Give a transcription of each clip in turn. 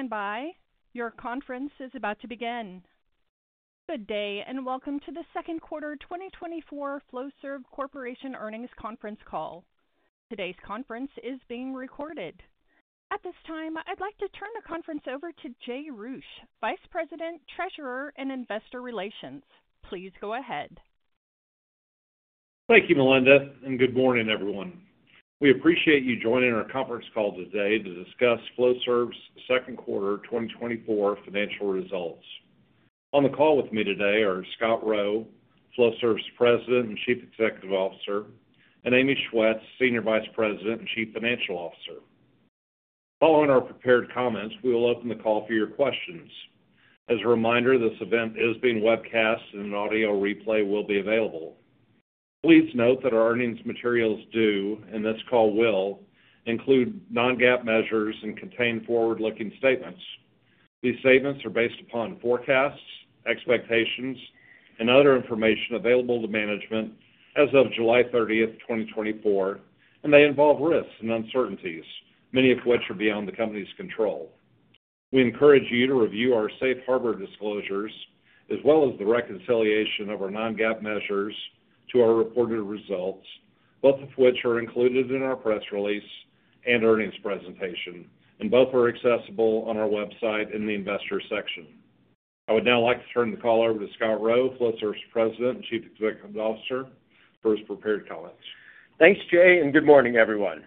Please stand by. Your conference is about to begin. Good day, and welcome to the second quarter 2024 Flowserve Corporation Earnings Conference Call. Today's conference is being recorded. At this time, I'd like to turn the conference over to Jay Roueche, Vice President, Treasurer, and Investor Relations. Please go ahead. Thank you, Melinda, and good morning, everyone. We appreciate you joining our conference call today to discuss Flowserve's second quarter 2024 financial results. On the call with me today are Scott Rowe, Flowserve's President and Chief Executive Officer, and Amy Schwetz, Senior Vice President and Chief Financial Officer. Following our prepared comments, we will open the call for your questions. As a reminder, this event is being webcast and an audio replay will be available. Please note that our earnings materials do, and this call will, include non-GAAP measures and contain forward-looking statements. These statements are based upon forecasts, expectations, and other information available to management as of July 30th, 2024, and they involve risks and uncertainties, many of which are beyond the company's control. We encourage you to review our safe harbor disclosures, as well as the reconciliation of our non-GAAP measures to our reported results, both of which are included in our press release and earnings presentation, and both are accessible on our website in the Investors section. I would now like to turn the call over to Scott Rowe, Flowserve's President and Chief Executive Officer, for his prepared comments. Thanks, Jay, and good morning, everyone.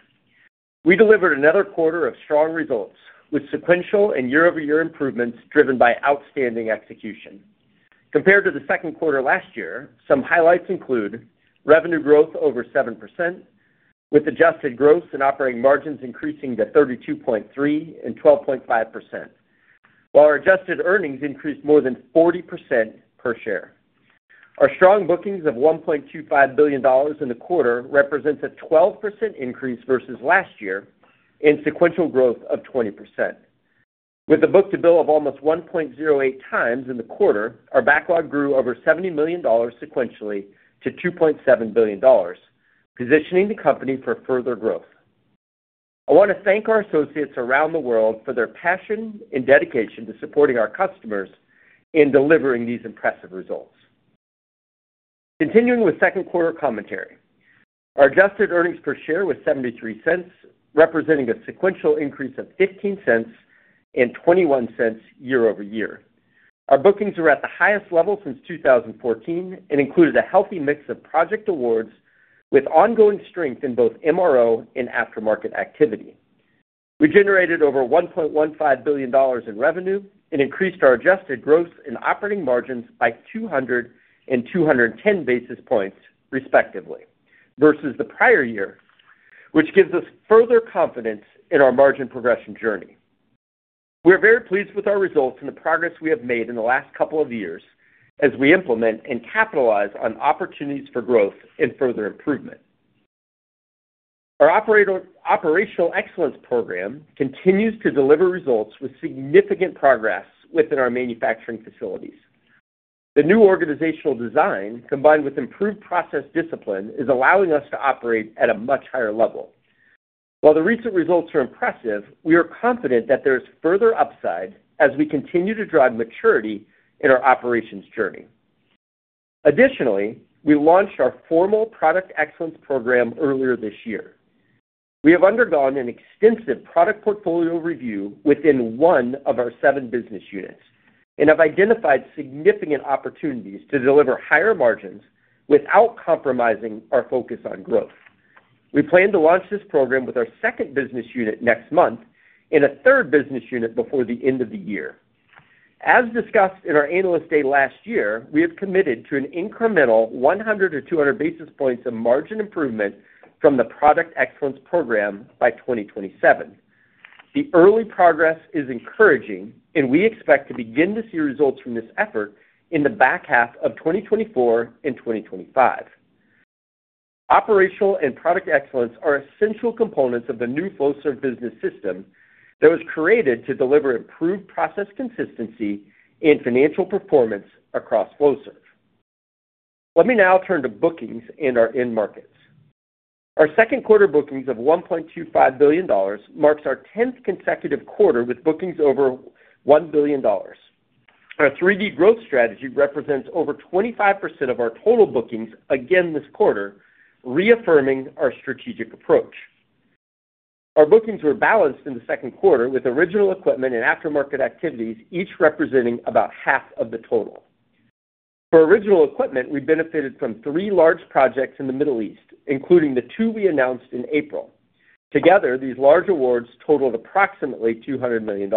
We delivered another quarter of strong results, with sequential and year-over-year improvements driven by outstanding execution. Compared to the second quarter last year, some highlights include: revenue growth over 7%, with adjusted gross and operating margins increasing to 32.3% and 12.5%, while our adjusted earnings increased more than 40% per share. Our strong bookings of $1.25 billion in the quarter represents a 12% increase versus last year and sequential growth of 20%. With a book-to-bill of almost 1.08 times in the quarter, our backlog grew over $70 million sequentially to $2.7 billion, positioning the company for further growth. I want to thank our associates around the world for their passion and dedication to supporting our customers in delivering these impressive results. Continuing with second quarter commentary. Our adjusted earnings per share was $0.73, representing a sequential increase of $0.15 and $0.21 year-over-year. Our bookings are at the highest level since 2014 and included a healthy mix of project awards, with ongoing strength in both MRO and aftermarket activity. We generated over $1.15 billion in revenue and increased our adjusted gross and operating margins by 200 and 210 basis points, respectively, versus the prior year, which gives us further confidence in our margin progression journey. We are very pleased with our results and the progress we have made in the last couple of years as we implement and capitalize on opportunities for growth and further improvement. Our operational excellence program continues to deliver results with significant progress within our manufacturing facilities. The new organizational design, combined with improved process discipline, is allowing us to operate at a much higher level. While the recent results are impressive, we are confident that there is further upside as we continue to drive maturity in our operations journey. Additionally, we launched our formal product excellence program earlier this year. We have undergone an extensive product portfolio review within one of our seven business units and have identified significant opportunities to deliver higher margins without compromising our focus on growth. We plan to launch this program with our second business unit next month and a third business unit before the end of the year. As discussed in our Analyst Day last year, we have committed to an incremental 100 or 200 basis points of margin improvement from the product excellence program by 2027. The early progress is encouraging, and we expect to begin to see results from this effort in the back half of 2024 and 2025. Operational and product excellence are essential components of the new Flowserve business system that was created to deliver improved process consistency and financial performance across Flowserve. Let me now turn to bookings in our end markets. Our second quarter bookings of $1.25 billion marks our 10th consecutive quarter with bookings over $1 billion. Our 3D growth strategy represents over 25% of our total bookings again this quarter, reaffirming our strategic approach. Our bookings were balanced in the second quarter, with original equipment and aftermarket activities, each representing about half of the total. For original equipment, we benefited from three large projects in the Middle East, including the two we announced in April. Together, these large awards totaled approximately $200 million.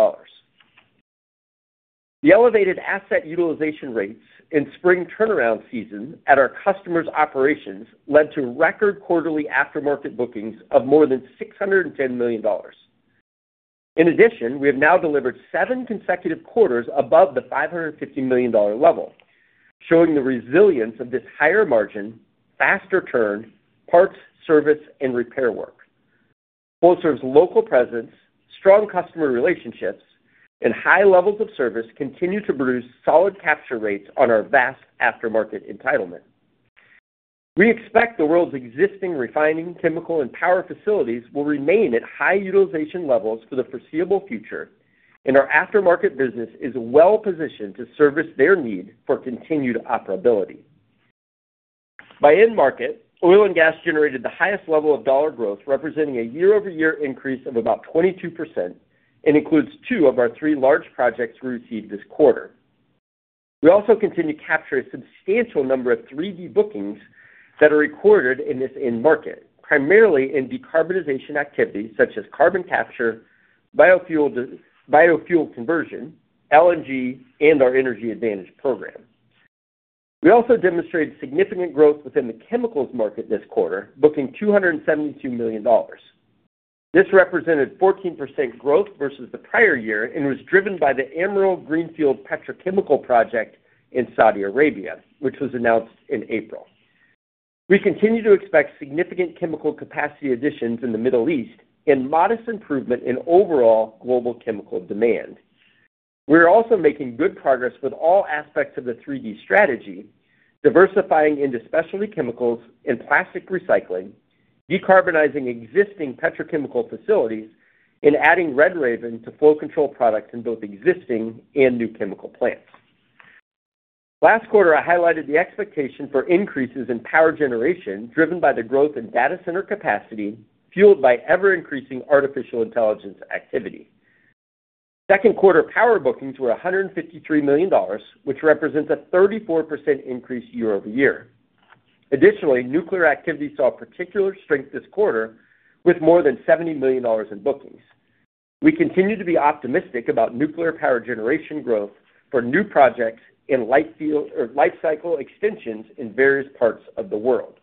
The elevated asset utilization rates in spring turnaround season at our customers' operations led to record quarterly aftermarket bookings of more than $610 million. In addition, we have now delivered seven consecutive quarters above the $550 million level, showing the resilience of this higher margin, faster turn, parts, service, and repair work. Flowserve's local presence, strong customer relationships, and high levels of service continue to produce solid capture rates on our vast aftermarket entitlement.... We expect the world's existing refining, chemical, and power facilities will remain at high utilization levels for the foreseeable future, and our aftermarket business is well-positioned to service their need for continued operability. By end market, oil and gas generated the highest level of dollar growth, representing a year-over-year increase of about 22% and includes two of our three large projects we received this quarter. We also continue to capture a substantial number of 3D bookings that are recorded in this end market, primarily in decarbonization activities, such as carbon capture, biofuel to biofuel conversion, LNG, and our Energy Advantage program. We also demonstrated significant growth within the chemicals market this quarter, booking $272 million. This represented 14% growth versus the prior year and was driven by the Amiral Greenfield Petrochemical project in Saudi Arabia, which was announced in April. We continue to expect significant chemical capacity additions in the Middle East and modest improvement in overall global chemical demand. We are also making good progress with all aspects of the 3D strategy, diversifying into specialty chemicals and plastic recycling, decarbonizing existing petrochemical facilities, and adding RedRaven to flow control products in both existing and new chemical plants. Last quarter, I highlighted the expectation for increases in power generation, driven by the growth in data center capacity, fueled by ever-increasing artificial intelligence activity. Second quarter power bookings were $153 million, which represents a 34% increase year-over-year. Additionally, nuclear activity saw particular strength this quarter, with more than $70 million in bookings. We continue to be optimistic about nuclear power generation growth for new projects and life cycle extensions in various parts of the world.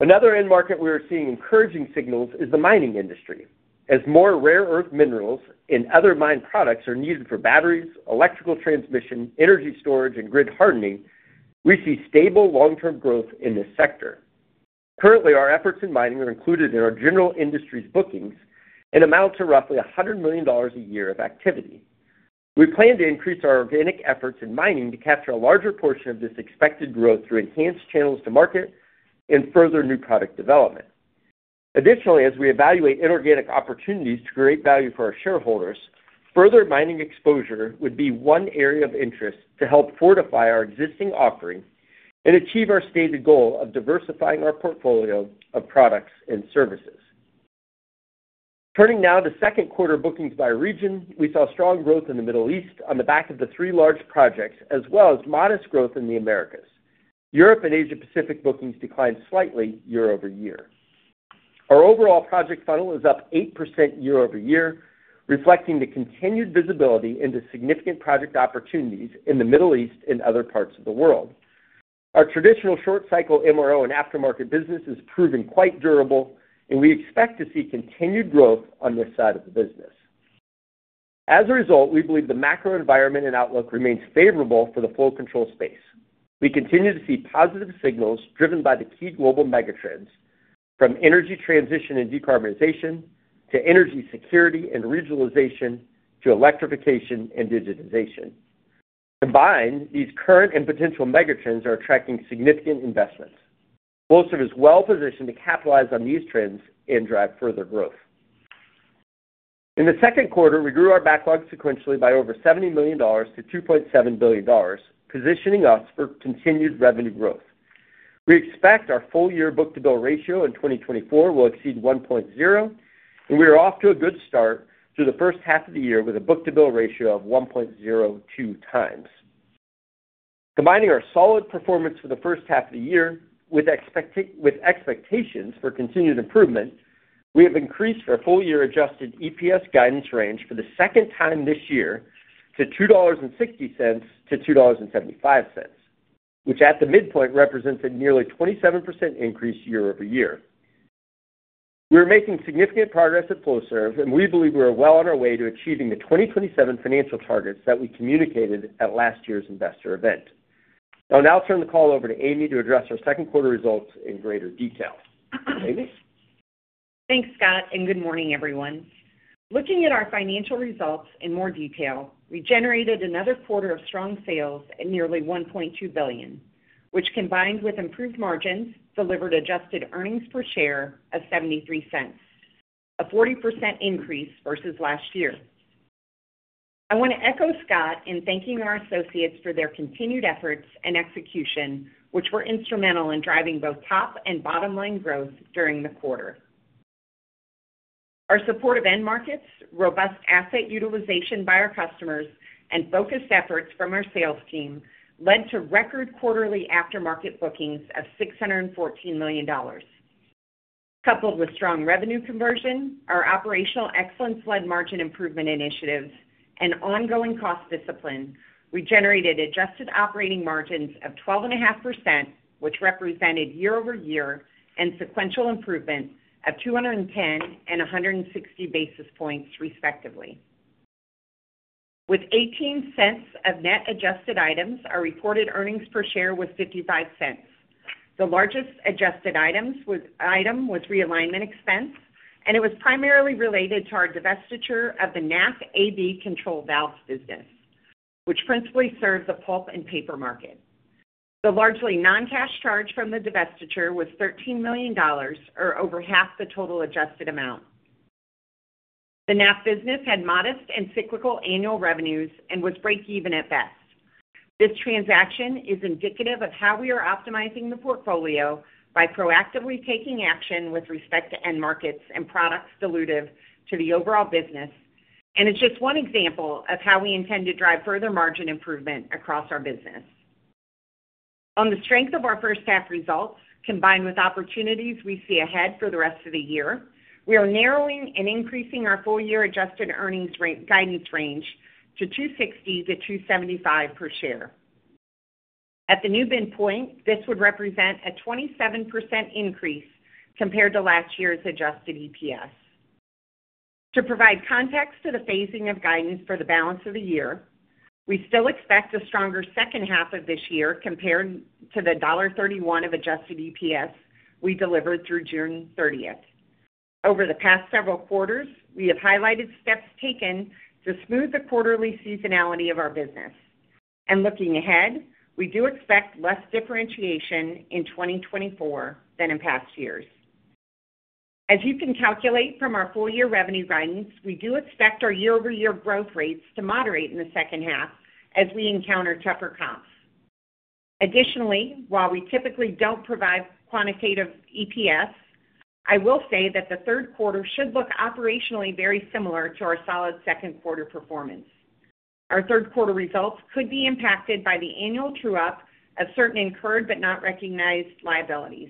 Another end market we are seeing encouraging signals is the mining industry. As more rare earth minerals and other mined products are needed for batteries, electrical transmission, energy storage, and grid hardening, we see stable long-term growth in this sector. Currently, our efforts in mining are included in our general industries bookings and amount to roughly $100 million a year of activity. We plan to increase our organic efforts in mining to capture a larger portion of this expected growth through enhanced channels to market and further new product development. Additionally, as we evaluate inorganic opportunities to create value for our shareholders, further mining exposure would be one area of interest to help fortify our existing offering and achieve our stated goal of diversifying our portfolio of products and services. Turning now to second quarter bookings by region, we saw strong growth in the Middle East on the back of the 3 large projects, as well as modest growth in the Americas. Europe and Asia Pacific bookings declined slightly year-over-year. Our overall project funnel is up 8% year-over-year, reflecting the continued visibility into significant project opportunities in the Middle East and other parts of the world. Our traditional short cycle MRO and aftermarket business is proving quite durable, and we expect to see continued growth on this side of the business. As a result, we believe the macro environment and outlook remains favorable for the flow control space. We continue to see positive signals driven by the key global megatrends, from energy transition and decarbonization to energy security and regionalization, to electrification and digitization. Combined, these current and potential megatrends are attracting significant investments. Flowserve is well positioned to capitalize on these trends and drive further growth. In the second quarter, we grew our backlog sequentially by over $70 million to $2.7 billion, positioning us for continued revenue growth. We expect our full-year book-to-bill ratio in 2024 will exceed 1.0, and we are off to a good start through the first half of the year with a book-to-bill ratio of 1.02 times. Combining our solid performance for the first half of the year with expectations for continued improvement, we have increased our full-year adjusted EPS guidance range for the second time this year to $2.60 to $2.75, which at the midpoint, represents a nearly 27% increase year-over-year. We are making significant progress at Flowserve, and we believe we are well on our way to achieving the 2027 financial targets that we communicated at last year's investor event. I'll now turn the call over to Amy to address our second quarter results in greater detail. Amy? Thanks, Scott, and good morning, everyone. Looking at our financial results in more detail, we generated another quarter of strong sales at nearly $1.2 billion, which, combined with improved margins, delivered adjusted earnings per share of $0.73, a 40% increase versus last year. I want to echo Scott in thanking our associates for their continued efforts and execution, which were instrumental in driving both top and bottom-line growth during the quarter. Our supportive end markets, robust asset utilization by our customers, and focused efforts from our sales team led to record quarterly aftermarket bookings of $614 million. Coupled with strong revenue conversion, our operational excellence-led margin improvement initiatives, and ongoing cost discipline, we generated adjusted operating margins of 12.5%, which represented year-over-year and sequential improvements of 210 and 160 basis points, respectively. With $0.18 of net adjusted items, our reported earnings per share was $0.55. The largest adjusted item was realignment expense, and it was primarily related to our divestiture of the NAF AB control valves business, which principally serves the pulp and paper market. The largely non-cash charge from the divestiture was $13 million, or over half the total adjusted amount. The NAF business had modest and cyclical annual revenues and was breakeven at best. This transaction is indicative of how we are optimizing the portfolio by proactively taking action with respect to end markets and products dilutive to the overall business, and it's just one example of how we intend to drive further margin improvement across our business. On the strength of our first half results, combined with opportunities we see ahead for the rest of the year, we are narrowing and increasing our full-year adjusted earnings range, guidance range to $2.60 to $2.75 per share. At the new midpoint, this would represent a 27% increase compared to last year's adjusted EPS. To provide context to the phasing of guidance for the balance of the year, we still expect a stronger second half of this year compared to the $1.31 of adjusted EPS we delivered through June 30. Over the past several quarters, we have highlighted steps taken to smooth the quarterly seasonality of our business. Looking ahead, we do expect less differentiation in 2024 than in past years. As you can calculate from our full-year revenue guidance, we do expect our year-over-year growth rates to moderate in the second half as we encounter tougher comps. Additionally, while we typically don't provide quantitative EPS, I will say that the third quarter should look operationally very similar to our solid second quarter performance. Our third quarter results could be impacted by the annual true up of certain incurred but not recognized liabilities.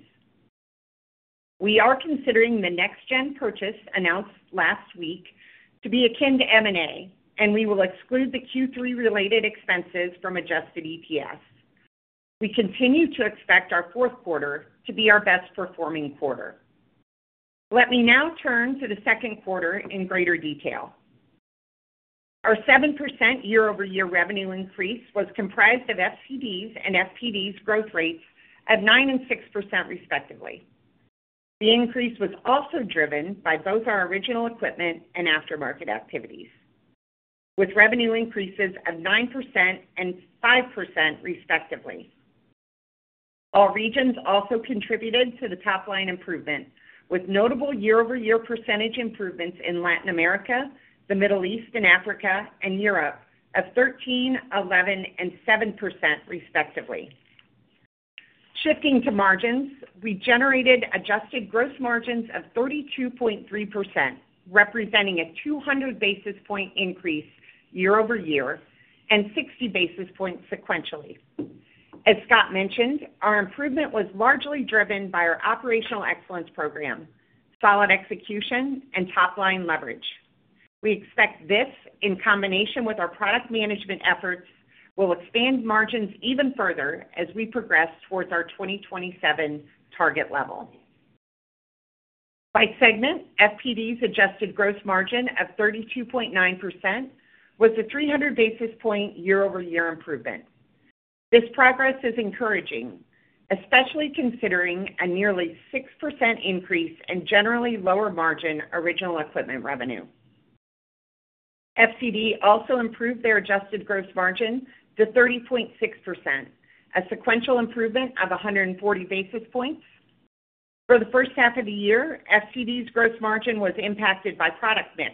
We are considering the NexGen purchase announced last week to be akin to M&A, and we will exclude the Q3-related expenses from adjusted EPS. We continue to expect our fourth quarter to be our best performing quarter. Let me now turn to the second quarter in greater detail. Our 7% year-over-year revenue increase was comprised of FCD's and FPD's growth rates of 9% and 6%, respectively. The increase was also driven by both our original equipment and aftermarket activities, with revenue increases of 9% and 5%, respectively. All regions also contributed to the top line improvement, with notable year-over-year percentage improvements in Latin America, the Middle East and Africa, and Europe of 13%, 11%, and 7%, respectively. Shifting to margins, we generated adjusted gross margins of 32.3%, representing a 200 basis point increase year-over-year and 60 basis points sequentially. As Scott mentioned, our improvement was largely driven by our operational excellence program, solid execution, and top line leverage. We expect this, in combination with our product management efforts, will expand margins even further as we progress towards our 2027 target level. By segment, FPD's adjusted gross margin of 32.9% was a 300 basis point year-over-year improvement. This progress is encouraging, especially considering a nearly 6% increase in generally lower margin original equipment revenue. FCD also improved their adjusted gross margin to 30.6%, a sequential improvement of 140 basis points. For the first half of the year, FCD's gross margin was impacted by product mix,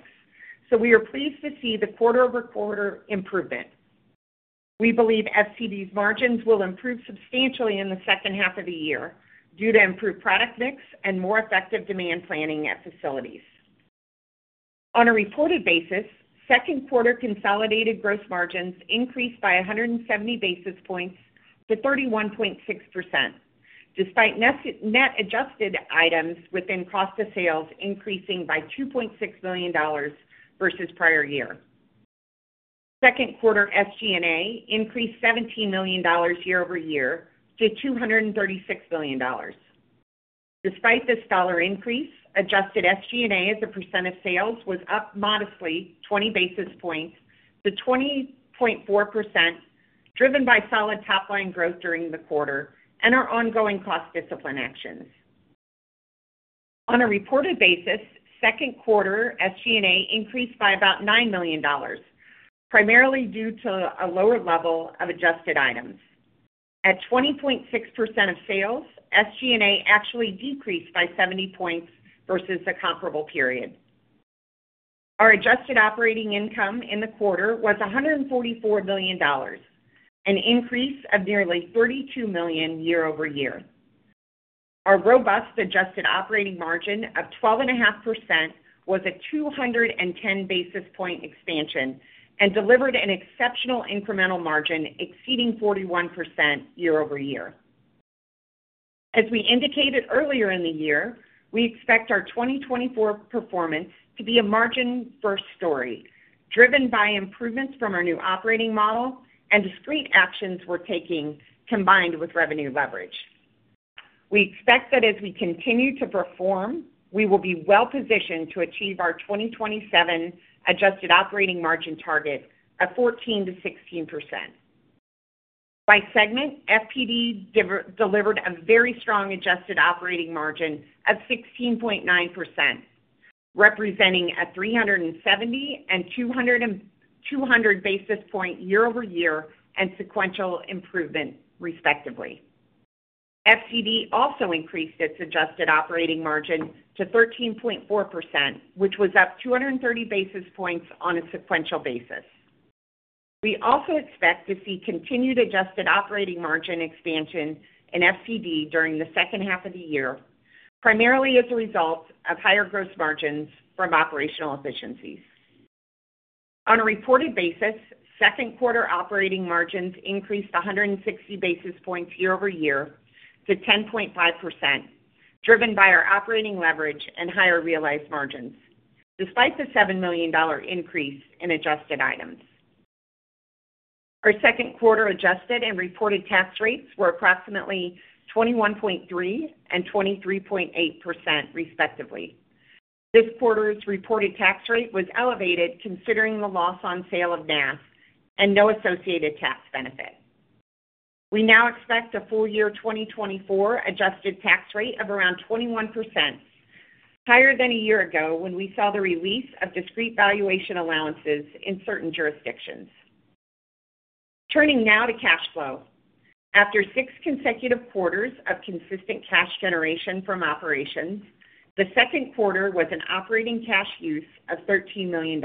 so we are pleased to see the quarter-over-quarter improvement. We believe FCD's margins will improve substantially in the second half of the year due to improved product mix and more effective demand planning at facilities. On a reported basis, second quarter consolidated gross margins increased by 170 basis points to 31.6%, despite net adjusted items within cost of sales increasing by $2.6 million versus prior year. Second quarter SG&A increased $17 million year-over-year to $236 billion. Despite this dollar increase, adjusted SG&A as a percent of sales was up modestly 20 basis points to 20.4%, driven by solid top line growth during the quarter and our ongoing cost discipline actions. On a reported basis, second quarter SG&A increased by about $9 million, primarily due to a lower level of adjusted items. At 20.6% of sales, SG&A actually decreased by 70 points versus the comparable period. Our adjusted operating income in the quarter was $144 million, an increase of nearly $32 million year-over-year. Our robust adjusted operating margin of 12.5% was a 210 basis point expansion and delivered an exceptional incremental margin exceeding 41% year-over-year. As we indicated earlier in the year, we expect our 2024 performance to be a margin-first story, driven by improvements from our new operating model and discrete actions we're taking, combined with revenue leverage. We expect that as we continue to perform, we will be well positioned to achieve our 2027 adjusted operating margin target of 14%-16%.... By segment, FPD delivered a very strong adjusted operating margin of 16.9%, representing a 370 and 200 basis point year-over-year and sequential improvement, respectively. FCD also increased its adjusted operating margin to 13.4%, which was up 230 basis points on a sequential basis. We also expect to see continued adjusted operating margin expansion in FCD during the second half of the year, primarily as a result of higher gross margins from operational efficiencies. On a reported basis, second quarter operating margins increased 100 basis points year-over-year to 10.5%, driven by our operating leverage and higher realized margins, despite the $7 million increase in adjusted items. Our second quarter adjusted and reported tax rates were approximately 21.3% and 23.8%, respectively. This quarter's reported tax rate was elevated, considering the loss on sale of NAF and no associated tax benefit. We now expect a full-year 2024 adjusted tax rate of around 21%, higher than a year ago, when we saw the release of discrete valuation allowances in certain jurisdictions. Turning now to cash flow. After 6 consecutive quarters of consistent cash generation from operations, the second quarter was an operating cash use of $13 million,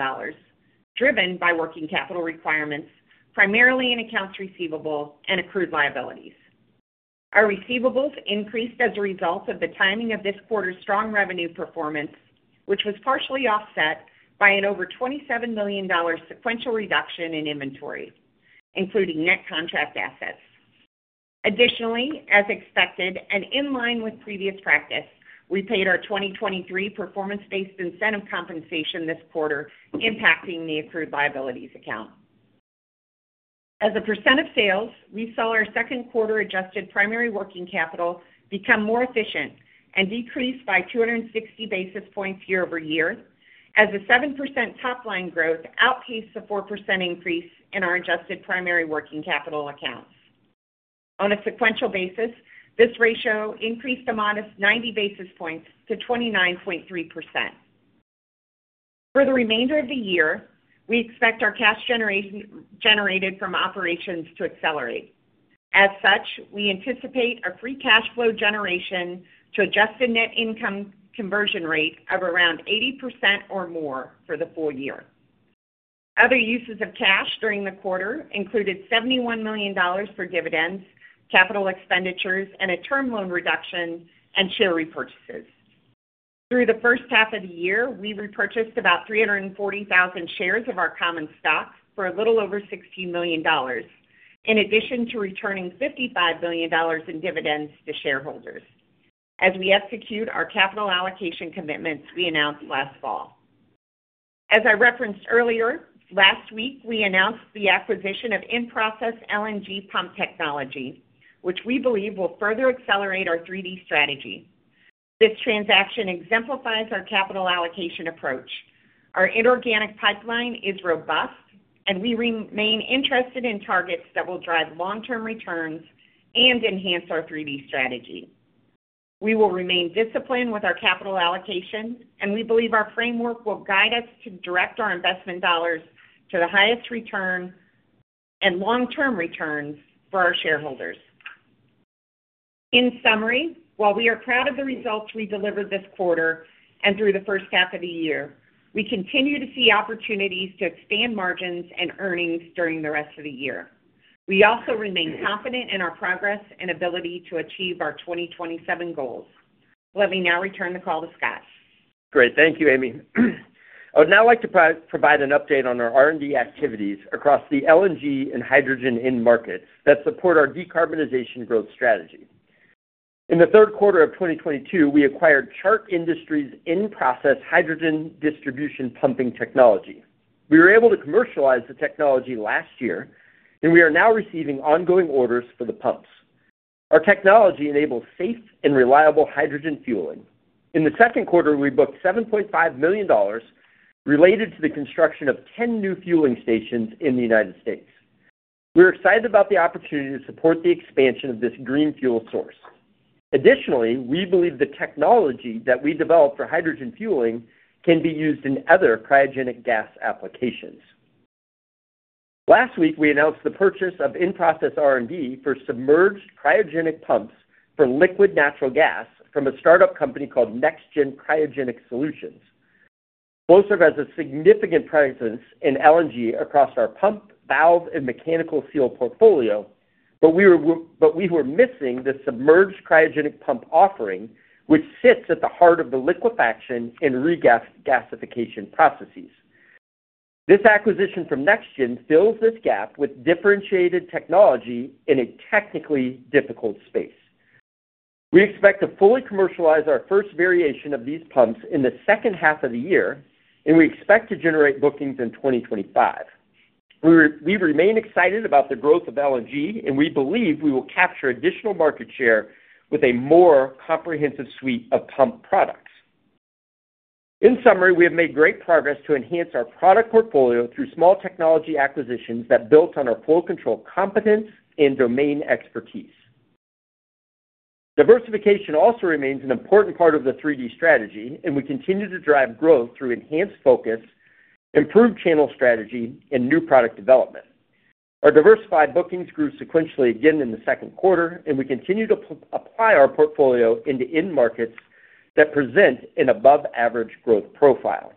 driven by working capital requirements, primarily in accounts receivable and accrued liabilities. Our receivables increased as a result of the timing of this quarter's strong revenue performance, which was partially offset by an over $27 million sequential reduction in inventory, including net contract assets. Additionally, as expected, and in line with previous practice, we paid our 2023 performance-based incentive compensation this quarter, impacting the accrued liabilities account. As a percent of sales, we saw our second quarter adjusted primary working capital become more efficient and decrease by 260 basis points year-over-year, as the 7% top line growth outpaced the 4% increase in our adjusted primary working capital accounts. On a sequential basis, this ratio increased a modest 90 basis points to 29.3%. For the remainder of the year, we expect our cash generated from operations to accelerate. As such, we anticipate our free cash flow generation to adjusted net income conversion rate of around 80% or more for the full year. Other uses of cash during the quarter included $71 million for dividends, capital expenditures, and a term loan reduction and share repurchases. Through the first half of the year, we repurchased about 340,000 shares of our common stock for a little over $16 million, in addition to returning $55 billion in dividends to shareholders, as we execute our capital allocation commitments we announced last fall. As I referenced earlier, last week, we announced the acquisition of in-process LNG pump technology, which we believe will further accelerate our 3D strategy. This transaction exemplifies our capital allocation approach. Our inorganic pipeline is robust, and we remain interested in targets that will drive long-term returns and enhance our 3D strategy. We will remain disciplined with our capital allocation, and we believe our framework will guide us to direct our investment dollars to the highest return and long-term returns for our shareholders. In summary, while we are proud of the results we delivered this quarter and through the first half of the year, we continue to see opportunities to expand margins and earnings during the rest of the year. We also remain confident in our progress and ability to achieve our 2027 goals. Let me now return the call to Scott. Great. Thank you, Amy. I would now like to provide an update on our R&D activities across the LNG and hydrogen end markets that support our decarbonization growth strategy. In the third quarter of 2022, we acquired Chart Industries' in-process hydrogen distribution pumping technology. We were able to commercialize the technology last year, and we are now receiving ongoing orders for the pumps. Our technology enables safe and reliable hydrogen fueling. In the second quarter, we booked $7.5 million related to the construction of 10 new fueling stations in the United States. We're excited about the opportunity to support the expansion of this green fuel source. Additionally, we believe the technology that we developed for hydrogen fueling can be used in other cryogenic gas applications. Last week, we announced the purchase of in-process R&D for submerged cryogenic pumps for liquefied natural gas from a startup company called NexGen Cryogenic Solutions. Flowserve has a significant presence in LNG across our pump, valve, and mechanical seal portfolio, but we were missing the submerged cryogenic pump offering, which sits at the heart of the liquefaction and regasification processes. This acquisition from NexGen fills this gap with differentiated technology in a technically difficult space. We expect to fully commercialize our first variation of these pumps in the second half of the year, and we expect to generate bookings in 2025. We remain excited about the growth of LNG, and we believe we will capture additional market share with a more comprehensive suite of pump products. In summary, we have made great progress to enhance our product portfolio through small technology acquisitions that built on our flow control competence and domain expertise. Diversification also remains an important part of the 3D strategy, and we continue to drive growth through enhanced focus, improved channel strategy, and new product development. Our diversified bookings grew sequentially again in the second quarter, and we continue to apply our portfolio into end markets that present an above-average growth profile.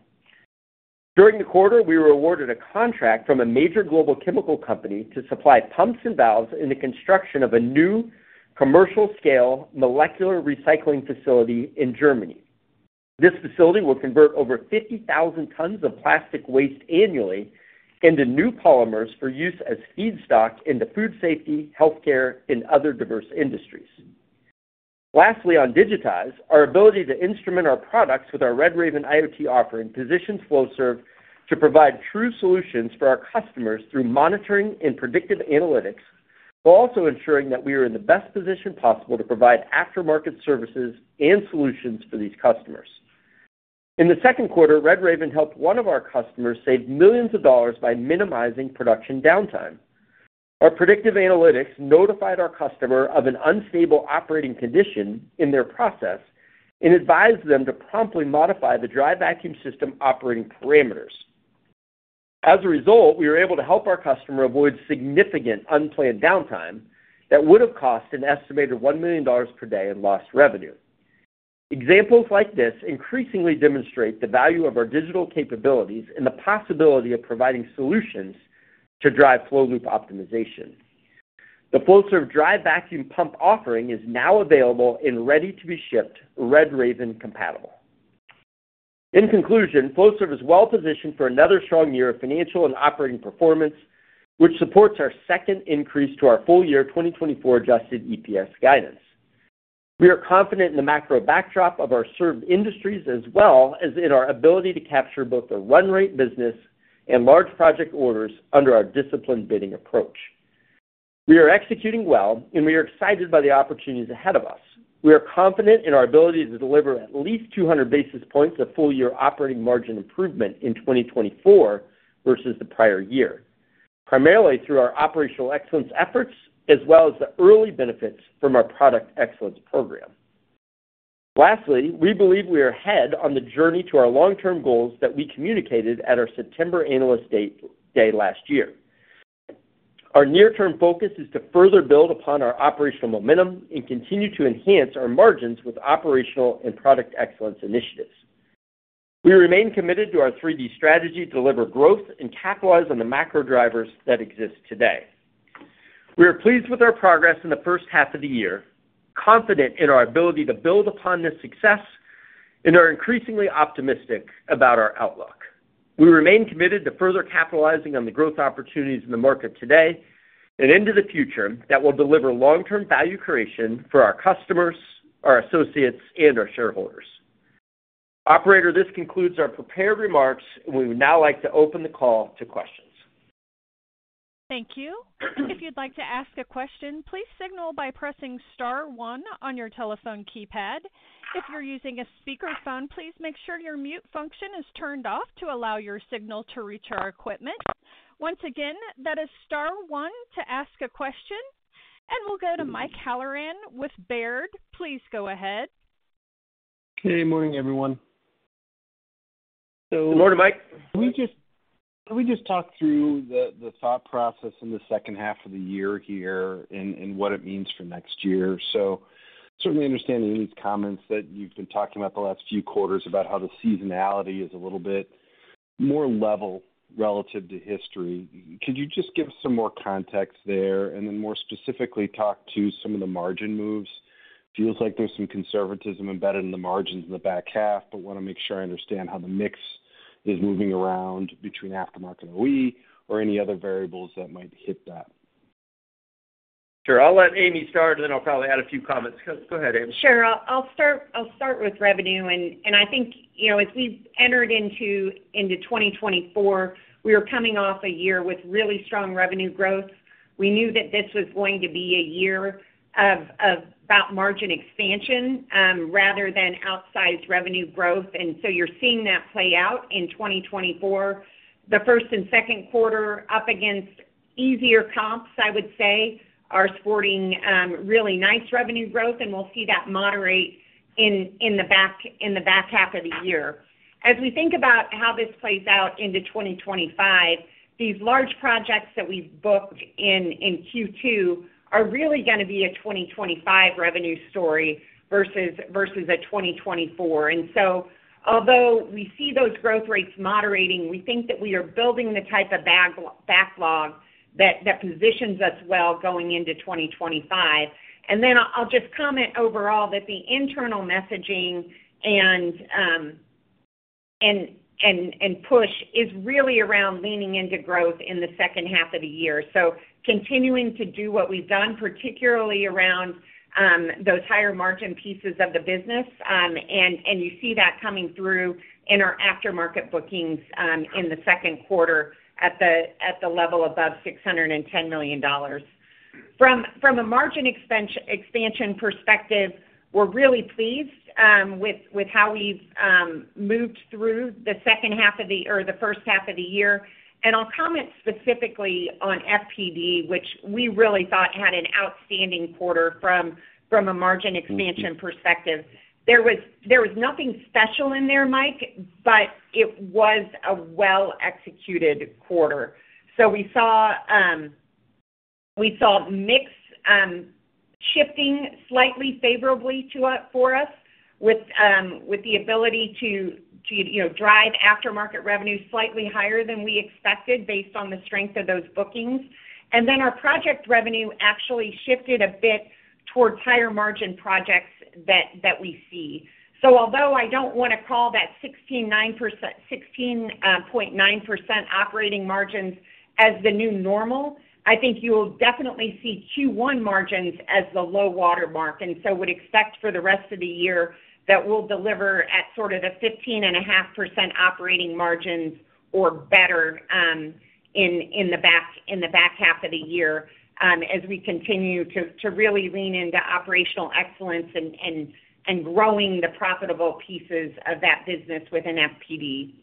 During the quarter, we were awarded a contract from a major global chemical company to supply pumps and valves in the construction of a new commercial-scale molecular recycling facility in Germany. This facility will convert over 50,000 tons of plastic waste annually into new polymers for use as feedstock into food safety, healthcare, and other diverse industries. Lastly, on digitize, our ability to instrument our products with our RedRaven IoT offering positions Flowserve to provide true solutions for our customers through monitoring and predictive analytics, while also ensuring that we are in the best position possible to provide aftermarket services and solutions for these customers. In the second quarter, RedRaven helped one of our customers save millions of dollars by minimizing production downtime. Our predictive analytics notified our customer of an unstable operating condition in their process and advised them to promptly modify the dry vacuum system operating parameters. As a result, we were able to help our customer avoid significant unplanned downtime that would have cost an estimated $1 million per day in lost revenue. Examples like this increasingly demonstrate the value of our digital capabilities and the possibility of providing solutions to drive flow loop optimization. The Flowserve dry vacuum pump offering is now available in ready-to-be-shipped RedRaven compatible. In conclusion, Flowserve is well positioned for another strong year of financial and operating performance, which supports our second increase to our full year 2024 Adjusted EPS guidance. We are confident in the macro backdrop of our served industries, as well as in our ability to capture both the run rate business and large project orders under our disciplined bidding approach. We are executing well, and we are excited by the opportunities ahead of us. We are confident in our ability to deliver at least 200 basis points of full-year operating margin improvement in 2024 versus the prior year, primarily through our operational excellence efforts, as well as the early benefits from our product excellence program. Lastly, we believe we are ahead on the journey to our long-term goals that we communicated at our September Analyst Day last year. Our near-term focus is to further build upon our operational momentum and continue to enhance our margins with operational and product excellence initiatives. We remain committed to our 3D strategy to deliver growth and capitalize on the macro drivers that exist today. We are pleased with our progress in the first half of the year, confident in our ability to build upon this success, and are increasingly optimistic about our outlook. We remain committed to further capitalizing on the growth opportunities in the market today and into the future that will deliver long-term value creation for our customers, our associates, and our shareholders. Operator, this concludes our prepared remarks. We would now like to open the call to questions. Thank you. If you'd like to ask a question, please signal by pressing star one on your telephone keypad. If you're using a speakerphone, please make sure your mute function is turned off to allow your signal to reach our equipment. Once again, that is star one to ask a question, and we'll go to Mike Halloran with Baird. Please go ahead. Hey, good morning, everyone. Good morning, Mike. Can we just talk through the thought process in the second half of the year here and what it means for next year? So certainly understanding in these comments that you've been talking about the last few quarters about how the seasonality is a little bit more level relative to history. Could you just give some more context there, and then more specifically, talk to some of the margin moves? Feels like there's some conservatism embedded in the margins in the back half, but wanna make sure I understand how the mix is moving around between aftermarket and OE or any other variables that might hit that. Sure. I'll let Amy start, and then I'll probably add a few comments. Go, go ahead, Amy. Sure. I'll start with revenue. I think, you know, as we entered into 2024, we were coming off a year with really strong revenue growth. We knew that this was going to be a year of about margin expansion, rather than outsized revenue growth, and so you're seeing that play out in 2024. The first and second quarter, up against easier comps, I would say, are sporting really nice revenue growth, and we'll see that moderate in the back half of the year. As we think about how this plays out into 2025, these large projects that we've booked in Q2 are really gonna be a 2025 revenue story versus a 2024. And so although we see those growth rates moderating, we think that we are building the type of backlog that positions us well going into 2025. And then I'll just comment overall that the internal messaging and push is really around leaning into growth in the second half of the year. So continuing to do what we've done, particularly around those higher margin pieces of the business, and you see that coming through in our aftermarket bookings in the second quarter at the level above $610 million. From a margin expansion perspective, we're really pleased with how we've moved through the first half of the year. And I'll comment specifically on FPD, which we really thought had an outstanding quarter from a margin expansion perspective. There was nothing special in there, Mike, but it was a well-executed quarter. So we saw mix shifting slightly favorably for us, with the ability to, you know, drive aftermarket revenue slightly higher than we expected based on the strength of those bookings. And then our project revenue actually shifted a bit towards higher margin projects that we see. So although I don't wanna call that 16.9% operating margins as the new normal, I think you'll definitely see Q1 margins as the low watermark, and so would expect for the rest of the year that we'll deliver at sort of a 15.5% operating margins or better, in the back half of the year, as we continue to really lean into operational excellence and growing the profitable pieces of that business within FPD.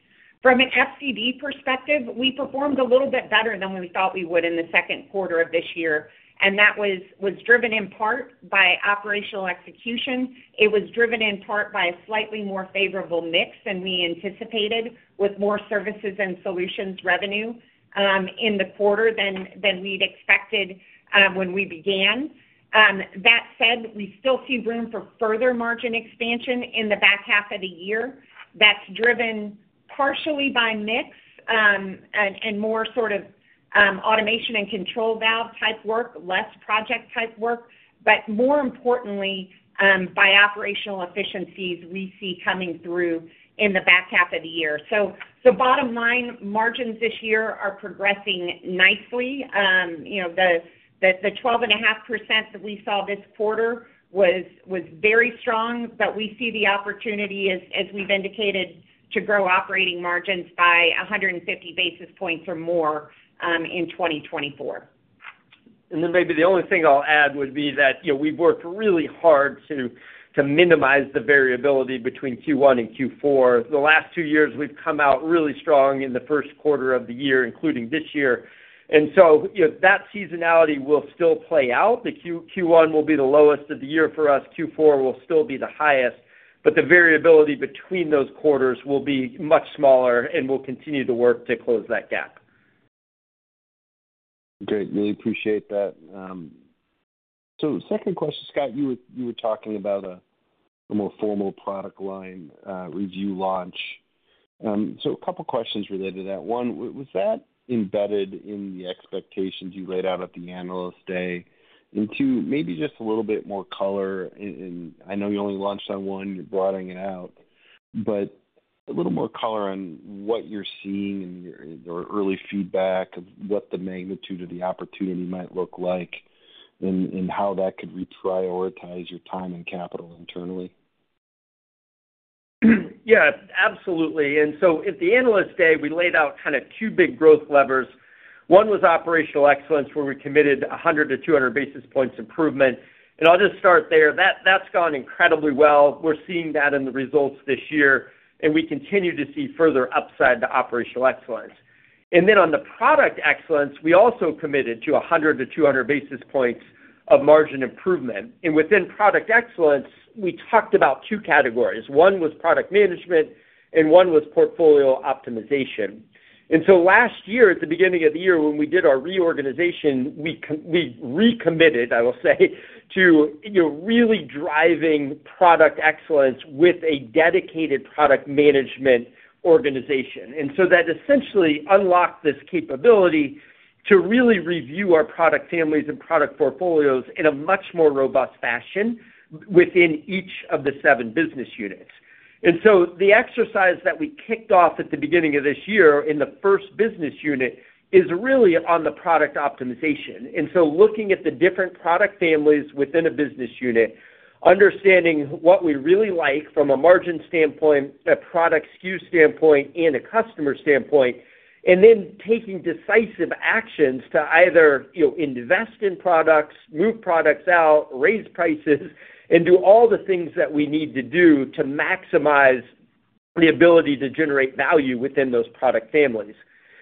From an FCD perspective, we performed a little bit better than we thought we would in the second quarter of this year, and that was driven in part by operational execution. It was driven in part by a slightly more favorable mix than we anticipated, with more services and solutions revenue in the quarter than we'd expected when we began. That said, we still see room for further margin expansion in the back half of the year. That's driven partially by mix, and more sort of automation and control valve type work, less project type work, but more importantly by operational efficiencies we see coming through in the back half of the year. So bottom line, margins this year are progressing nicely. You know, the 12.5% that we saw this quarter was very strong, but we see the opportunity as we've indicated to grow operating margins by 150 basis points or more in 2024. And then maybe the only thing I'll add would be that, you know, we've worked really hard to minimize the variability between Q1 and Q4. The last two years, we've come out really strong in the first quarter of the year, including this year. And so, you know, that seasonality will still play out. The Q1 will be the lowest of the year for us, Q4 will still be the highest, but the variability between those quarters will be much smaller, and we'll continue to work to close that gap. Great, really appreciate that. So second question, Scott, you were, you were talking about a, a more formal product line review launch. So a couple questions related to that. One, was that embedded in the expectations you laid out at the Analyst Day? And two, maybe just a little bit more color, and, and I know you only launched on one, you're broadening it out, but a little more color on what you're seeing and your, your early feedback of what the magnitude of the opportunity might look like, and, and how that could reprioritize your time and capital internally. Yeah, absolutely. And so at the Analyst Day, we laid out kind of two big growth levers. One was operational excellence, where we committed 100 to 200 basis points improvement. And I'll just start there. That, that's gone incredibly well. We're seeing that in the results this year, and we continue to see further upside to operational excellence. And then on the product excellence, we also committed to 100-200 basis points of margin improvement. And within product excellence, we talked about two categories. One was product management, and one was portfolio optimization. And so last year, at the beginning of the year, when we did our reorganization, we recommitted, I will say, to, you know, really driving product excellence with a dedicated product management organization. And so that essentially unlocked this capability to really review our product families and product portfolios in a much more robust fashion within each of the seven business units. And so the exercise that we kicked off at the beginning of this year in the first business unit is really on the product optimization. And so looking at the different product families within a business unit, understanding what we really like from a margin standpoint, a product SKU standpoint, and a customer standpoint, and then taking decisive actions to either, you know, invest in products, move products out, raise prices, and do all the things that we need to do to maximize the ability to generate value within those product families.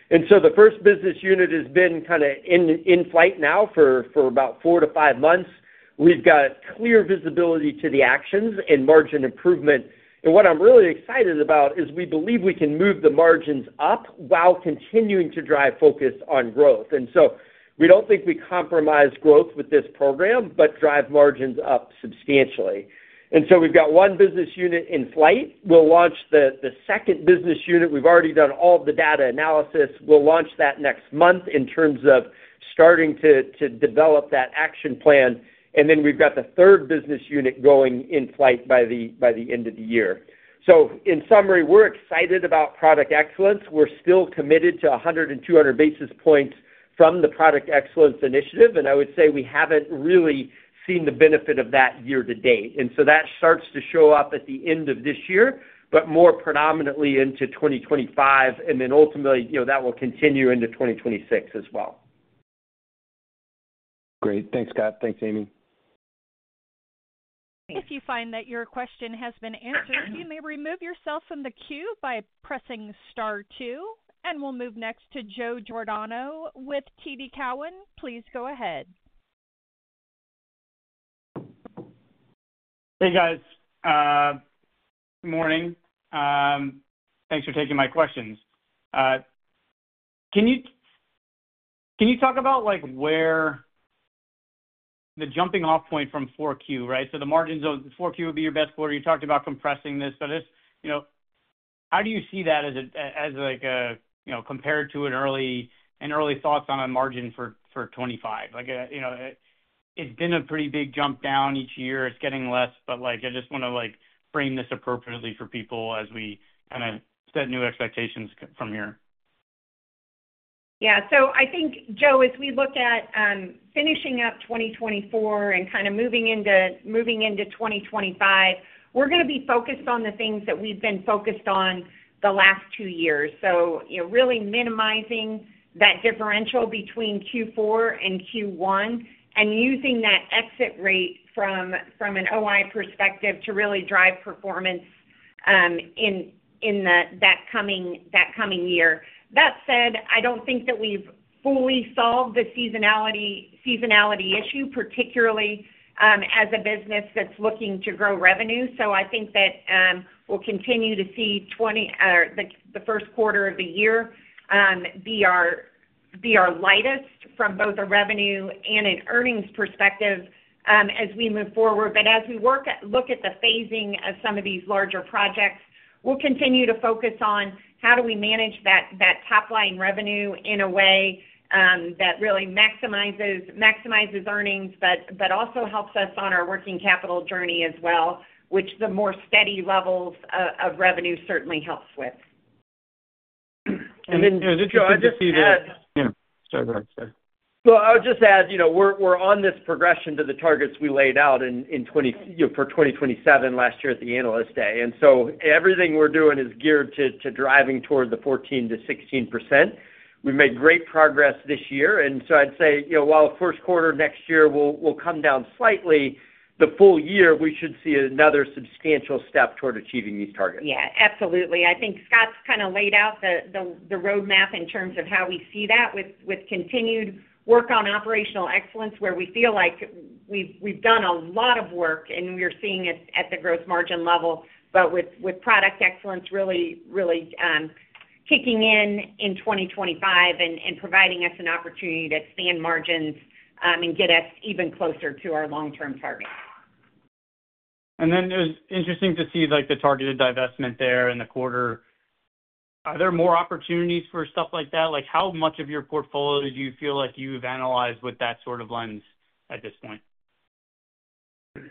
And so the first business unit has been kinda in flight now for about four to five months. We've got clear visibility to the actions and margin improvement. And what I'm really excited about is we believe we can move the margins up while continuing to drive focus on growth. And so we don't think we compromise growth with this program, but drive margins up substantially. And so we've got one business unit in flight. We'll launch the second business unit. We've already done all of the data analysis. We'll launch that next month in terms of starting to develop that action plan. And then we've got the third business unit going in flight by the end of the year. So in summary, we're excited about product excellence. We're still committed to 100 and 200 basis points from the product excellence initiative, and I would say we haven't really seen the benefit of that year to date. And so that starts to show up at the end of this year, but more predominantly into 2025, and then ultimately, you know, that will continue into 2026 as well. Great. Thanks, Scott. Thanks, Amy. If you find that your question has been answered, you may remove yourself from the queue by pressing star two, and we'll move next to Joe Giordano with TD Cowen. Please go ahead. Hey, guys. Good morning. Thanks for taking my questions. Can you talk about, like, where the jumping off point from 4Q, right? So the margins of 4Q would be your best quarter. You talked about compressing this, but this, you know, how do you see that as like a, you know, compared to an early thoughts on a margin for 2025? Like, you know, it's been a pretty big jump down each year. It's getting less, but, like, I just wanna, like, frame this appropriately for people as we kinda set new expectations from here. Yeah. So I think, Joe, as we look at finishing up 2024 and kind of moving into 2025, we're gonna be focused on the things that we've been focused on the last two years. So you know, really minimizing that differential between Q4 and Q1 and using that exit rate from an OI perspective to really drive performance in that coming year. That said, I don't think that we've fully solved the seasonality issue, particularly as a business that's looking to grow revenue. So I think that we'll continue to see the first quarter of the year be our lightest from both a revenue and an earnings perspective as we move forward. As we look at the phasing of some of these larger projects, we'll continue to focus on how do we manage that top line revenue in a way that really maximizes earnings, but also helps us on our working capital journey as well, which the more steady levels of revenue certainly helps with. And then, Joe, I'd just add- Yeah, sorry, go ahead. Sorry. Well, I would just add, you know, we're, we're on this progression to the targets we laid out in, in twenty- you know, for 2027 last year at the Analyst Day. And so everything we're doing is geared to, to driving toward the 14% to 16%. We made great progress this year, and so I'd say, you know, while first quarter next year will, will come down slightly, the full year, we should see another substantial step toward achieving these targets. Yeah, absolutely. I think Scott's kind of laid out the roadmap in terms of how we see that with continued work on operational excellence, where we feel like we've done a lot of work, and we're seeing it at the growth margin level. But with product excellence really, really kicking in in 2025 and providing us an opportunity to expand margins, and get us even closer to our long-term targets. It was interesting to see, like, the targeted divestment there in the quarter. Are there more opportunities for stuff like that? Like, how much of your portfolio do you feel like you've analyzed with that sort of lens at this point?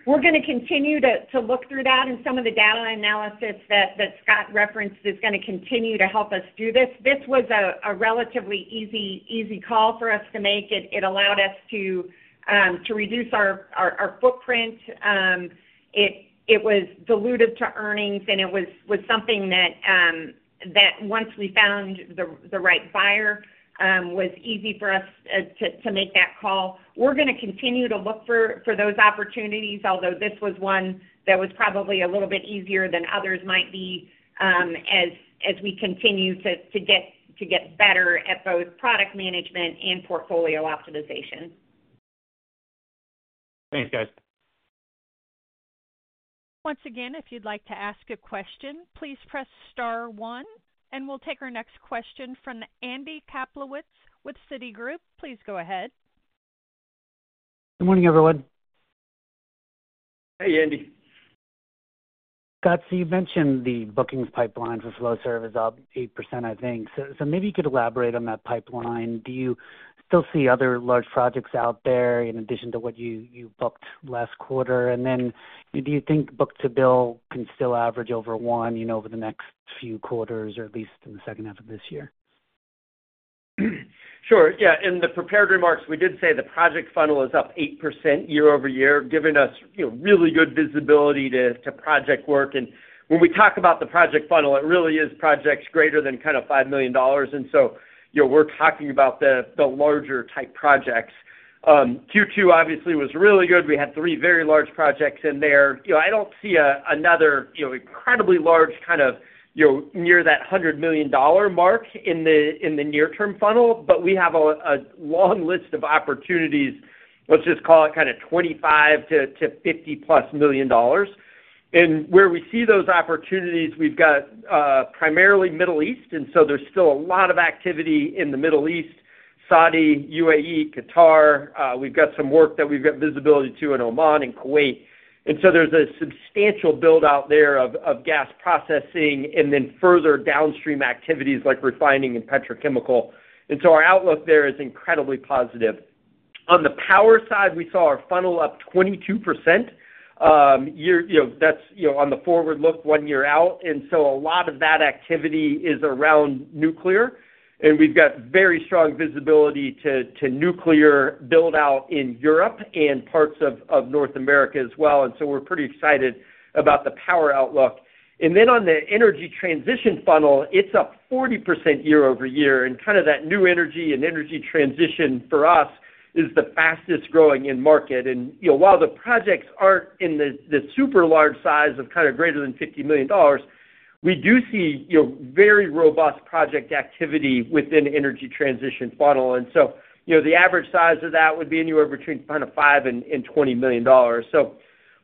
We're gonna continue to look through that, and some of the data analysis that Scott referenced is gonna continue to help us do this. This was a relatively easy call for us to make. It allowed us to reduce our footprint. It was dilutive to earnings, and it was something that once we found the right buyer was easy for us to make that call. We're gonna continue to look for those opportunities, although this was one that was probably a little bit easier than others might be, as we continue to get better at both product management and portfolio optimization. Thanks, guys. Once again, if you'd like to ask a question, please press star one, and we'll take our next question from Andy Kaplowitz with Citigroup. Please go ahead. Good morning, everyone. Hey, Andy. Scott, so you mentioned the bookings pipeline for Flowserve is up 8%, I think. So, so maybe you could elaborate on that pipeline. Do you still see other large projects out there in addition to what you booked last quarter? And then do you think book-to-bill can still average over one, you know, over the next few quarters or at least in the second half of this year? Sure. Yeah, in the prepared remarks, we did say the project funnel is up 8% year-over-year, giving us, you know, really good visibility to project work. And when we talk about the project funnel, it really is projects greater than kind of $5 million. And so, you know, we're talking about the larger type projects. Q2 obviously was really good. We had three very large projects in there. You know, I don't see another, you know, incredibly large kind of, you know, near that $100 million mark in the near-term funnel, but we have a long list of opportunities. Let's just call it kind of 25 to $50+ million. And where we see those opportunities, we've got primarily Middle East, and so there's still a lot of activity in the Middle East, Saudi, UAE, Qatar. We've got some work that we've got visibility to in Oman and Kuwait. And so there's a substantial build-out there of gas processing and then further downstream activities like refining and petrochemical. And so our outlook there is incredibly positive. On the power side, we saw our funnel up 22%. Year, you know, that's, you know, on the forward look one year out, and so a lot of that activity is around nuclear, and we've got very strong visibility to nuclear build-out in Europe and parts of North America as well, and so we're pretty excited about the power outlook. And then on the energy transition funnel, it's up 40% year-over-year, and kind of that new energy and energy transition for us is the fastest growing in market. You know, while the projects aren't in the super large size of kind of greater than $50 million, we do see, you know, very robust project activity within energy transition funnel. And so, you know, the average size of that would be anywhere between kind of $5 million and $20 million. So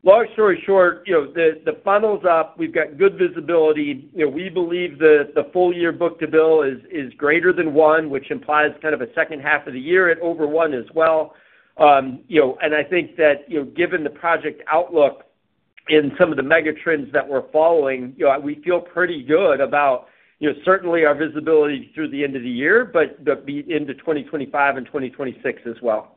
long story short, you know, the funnel's up, we've got good visibility. You know, we believe the full year book-to-bill is greater than one, which implies kind of a second half of the year at over one as well. You know, and I think that, you know, given the project outlook in some of the mega trends that we're following, you know, we feel pretty good about, you know, certainly our visibility through the end of the year, but into 2025 and 2026 as well.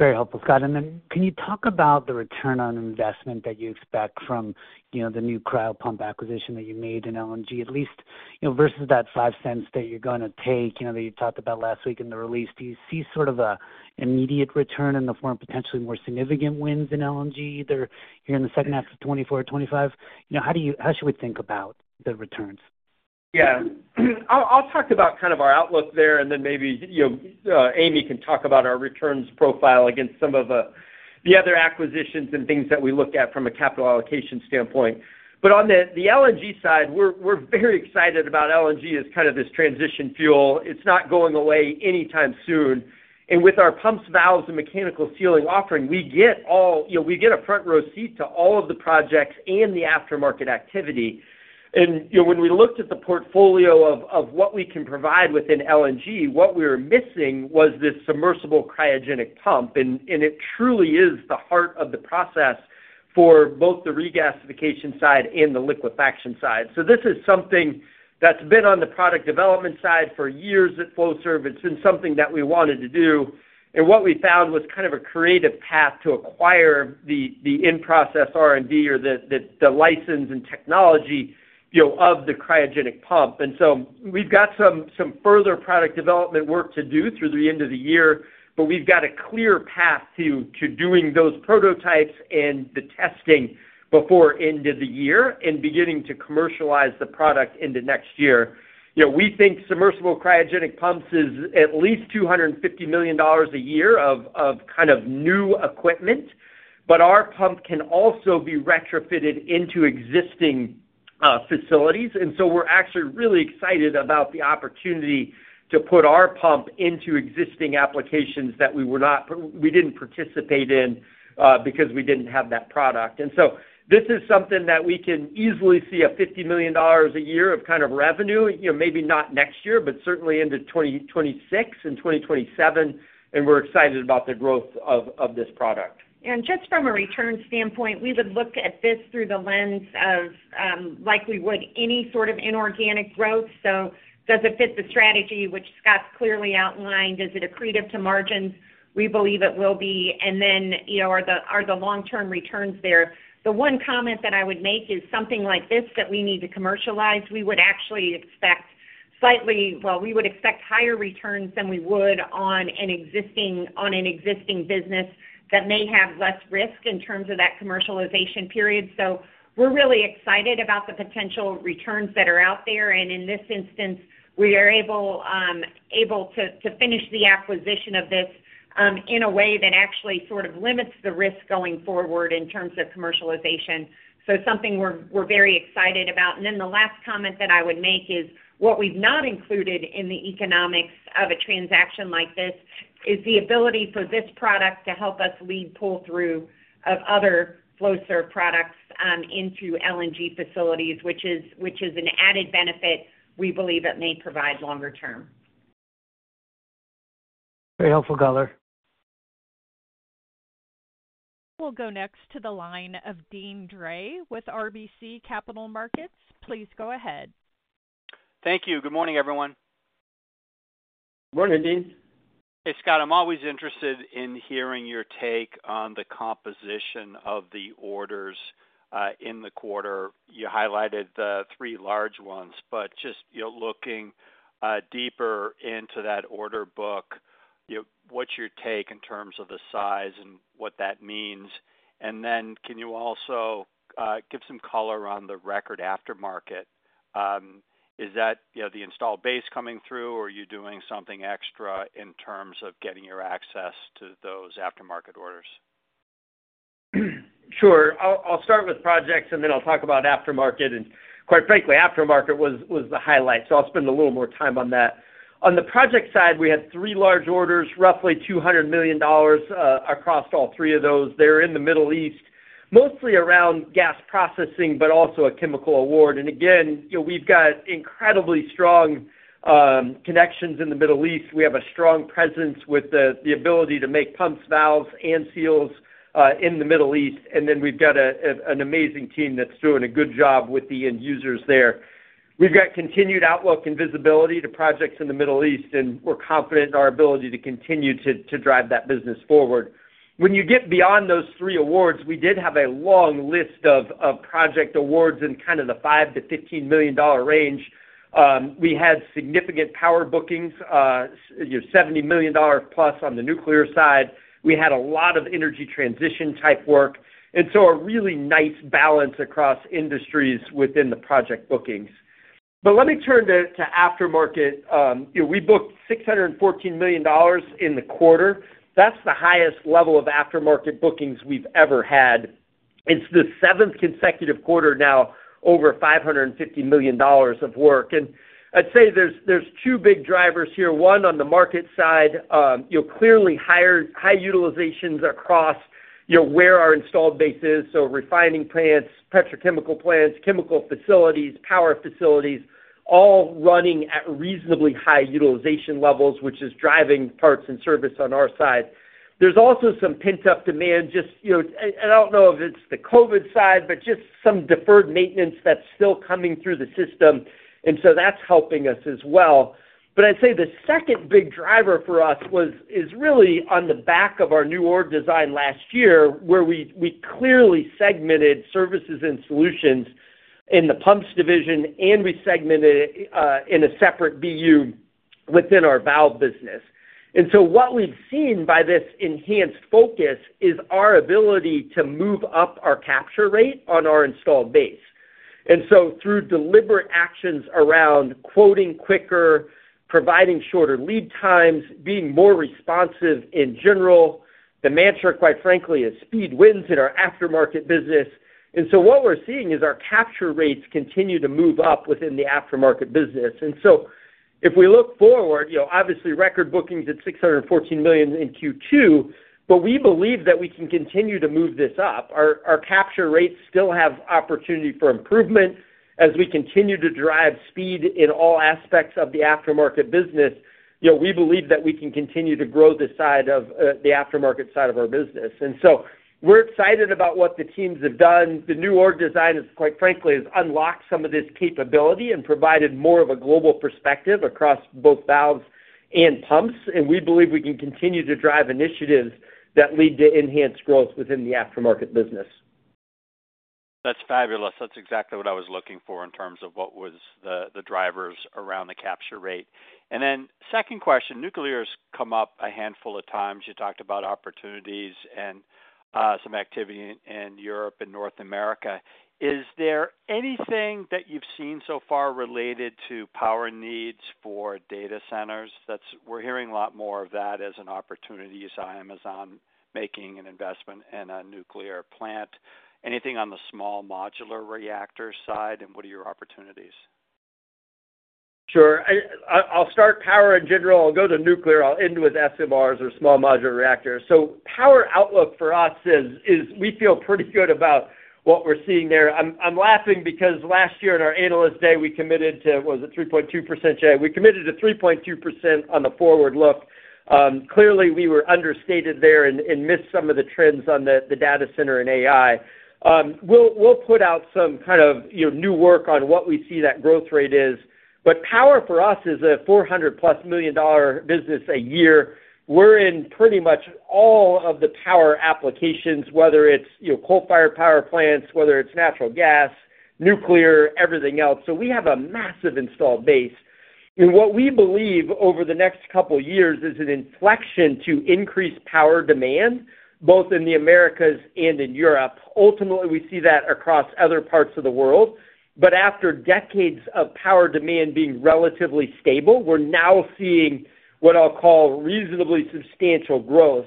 Very helpful, Scott. Then can you talk about the return on investment that you expect from, you know, the new cryo-pump acquisition that you made in LNG, at least, you know, versus that $0.05 that you're gonna take, you know, that you talked about last week in the release. Do you see sort of a immediate return in the form of potentially more significant wins in LNG, either here in the second half of 2024 or 2025? You know, how should we think about the returns? Yeah. I'll talk about kind of our outlook there, and then maybe, you know, Amy can talk about our returns profile against some of the other acquisitions and things that we look at from a capital allocation standpoint. But on the LNG side, we're very excited about LNG as kind of this transition fuel. It's not going away anytime soon. And with our pumps, valves, and mechanical sealing offering, we get all... You know, we get a front row seat to all of the projects and the aftermarket activity. And, you know, when we looked at the portfolio of what we can provide within LNG, what we were missing was this submersible cryogenic pump. And it truly is the heart of the process for both the regasification side and the liquefaction side. So this is something that's been on the product development side for years at Flowserve. It's been something that we wanted to do, and what we found was kind of a creative path to acquire the in-process R&D or the license and technology, you know, of the cryogenic pump. And so we've got some further product development work to do through the end of the year, but we've got a clear path to doing those prototypes and the testing before end of the year and beginning to commercialize the product into next year. You know, we think submersible cryogenic pumps is at least $250 million a year of kind of new equipment, but our pump can also be retrofitted into existing facilities. And so we're actually really excited about the opportunity to put our pump into existing applications that we were not- we didn't participate in, because we didn't have that product. And so this is something that we can easily see $50 million a year of kind of revenue, you know, maybe not next year, but certainly into 2026 and 2027, and we're excited about the growth of, of this product. Just from a return standpoint, we would look at this through the lens of, like we would any sort of inorganic growth. So does it fit the strategy which Scott's clearly outlined? Is it accretive to margins? We believe it will be. And then, you know, are the long-term returns there? The one comment that I would make is something like this that we need to commercialize; we would actually expect slightly, well, we would expect higher returns than we would on an existing business that may have less risk in terms of that commercialization period. So we're really excited about the potential returns that are out there, and in this instance, we are able to finish the acquisition of this in a way that actually sort of limits the risk going forward in terms of commercialization. So something we're very excited about. And then the last comment that I would make is, what we've not included in the economics of a transaction like this, is the ability for this product to help us lead pull-through of other Flowserve products into LNG facilities, which is an added benefit we believe it may provide longer term. Very helpful, color. We'll go next to the line of Deane Dray with RBC Capital Markets. Please go ahead. Thank you. Good morning, everyone. Morning, Deane. Hey, Scott, I'm always interested in hearing your take on the composition of the orders, in the quarter. You highlighted the three large ones, but just, you know, looking, deeper into that order book, you know, what's your take in terms of the size and what that means? And then can you also, give some color on the record aftermarket? Is that, you know, the installed base coming through, or are you doing something extra in terms of getting your access to those aftermarket orders? Sure. I'll start with projects, and then I'll talk about aftermarket. And quite frankly, aftermarket was the highlight, so I'll spend a little more time on that. On the project side, we had three large orders, roughly $200 million across all three of those. They're in the Middle East, mostly around gas processing, but also a chemical award. And again, you know, we've got incredibly strong connections in the Middle East. We have a strong presence with the ability to make pumps, valves, and seals in the Middle East. And then we've got an amazing team that's doing a good job with the end users there. We've got continued outlook and visibility to projects in the Middle East, and we're confident in our ability to continue to drive that business forward. When you get beyond those three awards, we did have a long list of project awards in kind of the $5-$15 million range. We had significant power bookings, you know, $70 million plus on the nuclear side. We had a lot of energy transition-type work, and so a really nice balance across industries within the project bookings. But let me turn to aftermarket. You know, we booked $614 million in the quarter. That's the highest level of aftermarket bookings we've ever had. It's the seventh consecutive quarter now, over $550 million of work. And I'd say there's two big drivers here. One, on the market side, you know, clearly higher high utilizations across, you know, where our installed base is. So refining plants, petrochemical plants, chemical facilities, power facilities, all running at reasonably high utilization levels, which is driving parts and service on our side. There's also some pent-up demand, just, you know, and I don't know if it's the COVID side, but just some deferred maintenance that's still coming through the system, and so that's helping us as well. But I'd say the second big driver for us was- is really on the back of our new org design last year, where we, we clearly segmented services and solutions in the pumps division, and we segmented it, in a separate BU within our valve business. And so what we've seen by this enhanced focus is our ability to move up our capture rate on our installed base. And so through deliberate actions around quoting quicker, providing shorter lead times, being more responsive in general, the mantra, quite frankly, is speed wins in our aftermarket business. And so what we're seeing is our capture rates continue to move up within the aftermarket business. And so if we look forward, you know, obviously, record bookings at $614 million in Q2, but we believe that we can continue to move this up. Our capture rates still have opportunity for improvement. As we continue to drive speed in all aspects of the aftermarket business, you know, we believe that we can continue to grow this side of the aftermarket side of our business. And so we're excited about what the teams have done. The new org design has, quite frankly, unlocked some of this capability and provided more of a global perspective across both valves and pumps. We believe we can continue to drive initiatives that lead to enhanced growth within the aftermarket business. That's fabulous. That's exactly what I was looking for in terms of what was the, the drivers around the capture rate. And then second question, nuclear has come up a handful of times. You talked about opportunities and some activity in Europe and North America. Is there anything that you've seen so far related to power needs for data centers? That's. We're hearing a lot more of that as an opportunity. You saw Amazon making an investment in a nuclear plant. Anything on the small modular reactor side, and what are your opportunities? Sure. I'll start power in general. I'll go to nuclear. I'll end with SMRs or small modular reactors. So power outlook for us is we feel pretty good about what we're seeing there. I'm laughing because last year at our Analyst Day, we committed to, was it 3.2%, Jay? We committed to 3.2% on the forward look. Clearly, we were understated there and missed some of the trends on the data center and AI. We'll put out some kind of, you know, new work on what we see that growth rate is, but power for us is a $400+ million business a year. We're in pretty much all of the power applications, whether it's, you know, coal-fired power plants, whether it's natural gas, nuclear, everything else. So we have a massive installed base. And what we believe over the next couple of years is an inflection to increase power demand, both in the Americas and in Europe. Ultimately, we see that across other parts of the world. But after decades of power demand being relatively stable, we're now seeing what I'll call reasonably substantial growth.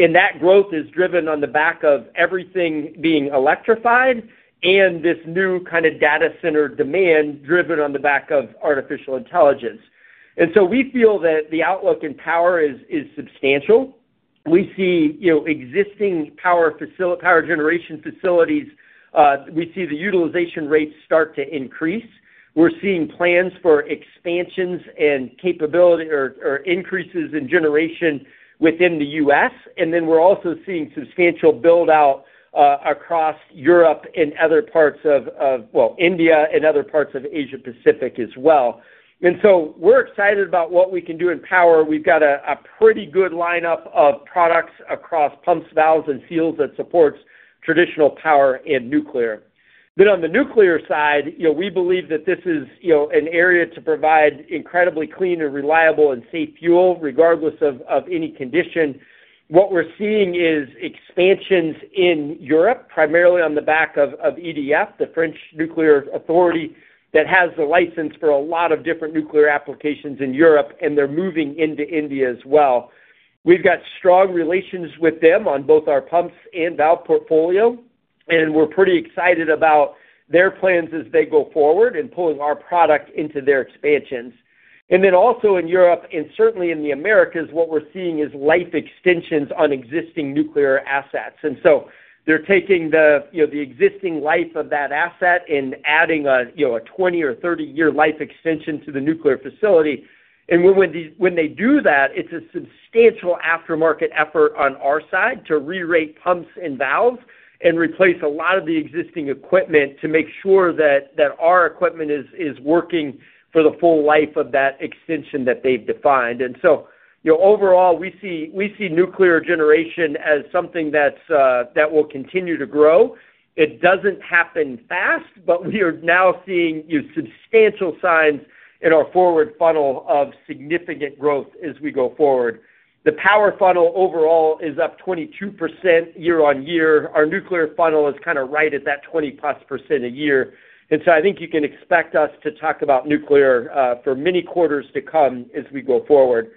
And that growth is driven on the back of everything being electrified and this new kind of data center demand driven on the back of artificial intelligence. And so we feel that the outlook in power is substantial. We see, you know, existing power generation facilities, we see the utilization rates start to increase. We're seeing plans for expansions and capability or increases in generation within the U.S., and then we're also seeing substantial build-out across Europe and other parts of, well, India and other parts of Asia Pacific as well. So we're excited about what we can do in power. We've got a pretty good lineup of products across pumps, valves, and seals that supports traditional power and nuclear. Then on the nuclear side, you know, we believe that this is, you know, an area to provide incredibly clean and reliable and safe fuel, regardless of any condition. What we're seeing is expansions in Europe, primarily on the back of EDF, the French nuclear authority, that has the license for a lot of different nuclear applications in Europe, and they're moving into India as well. We've got strong relations with them on both our pumps and valve portfolio, and we're pretty excited about their plans as they go forward and pulling our product into their expansions. Then also in Europe, and certainly in the Americas, what we're seeing is life extensions on existing nuclear assets. And so they're taking the, you know, the existing life of that asset and adding a, you know, a 20 or 30-year life extension to the nuclear facility. And when, when they, when they do that, it's a substantial aftermarket effort on our side to re-rate pumps and valves and replace a lot of the existing equipment to make sure that, that our equipment is, is working for the full life of that extension that they've defined. And so, you know, overall, we see, we see nuclear generation as something that's that will continue to grow. It doesn't happen fast, but we are now seeing, you know, substantial signs in our forward funnel of significant growth as we go forward. The power funnel overall is up 22% year-on-year. Our nuclear funnel is kind of right at that 20%+ a year. So I think you can expect us to talk about nuclear for many quarters to come as we go forward.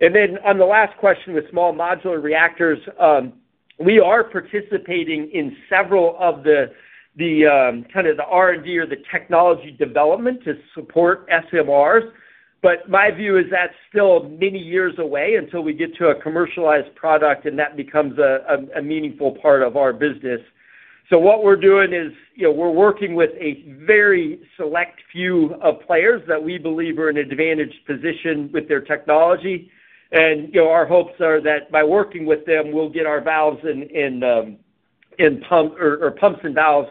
And then on the last question, with small modular reactors... We are participating in several of the kind of R&D or the technology development to support SMRs. But my view is that's still many years away until we get to a commercialized product, and that becomes a meaningful part of our business. So what we're doing is, you know, we're working with a very select few of players that we believe are in an advantaged position with their technology. And, you know, our hopes are that by working with them, we'll get our valves in pumps and valves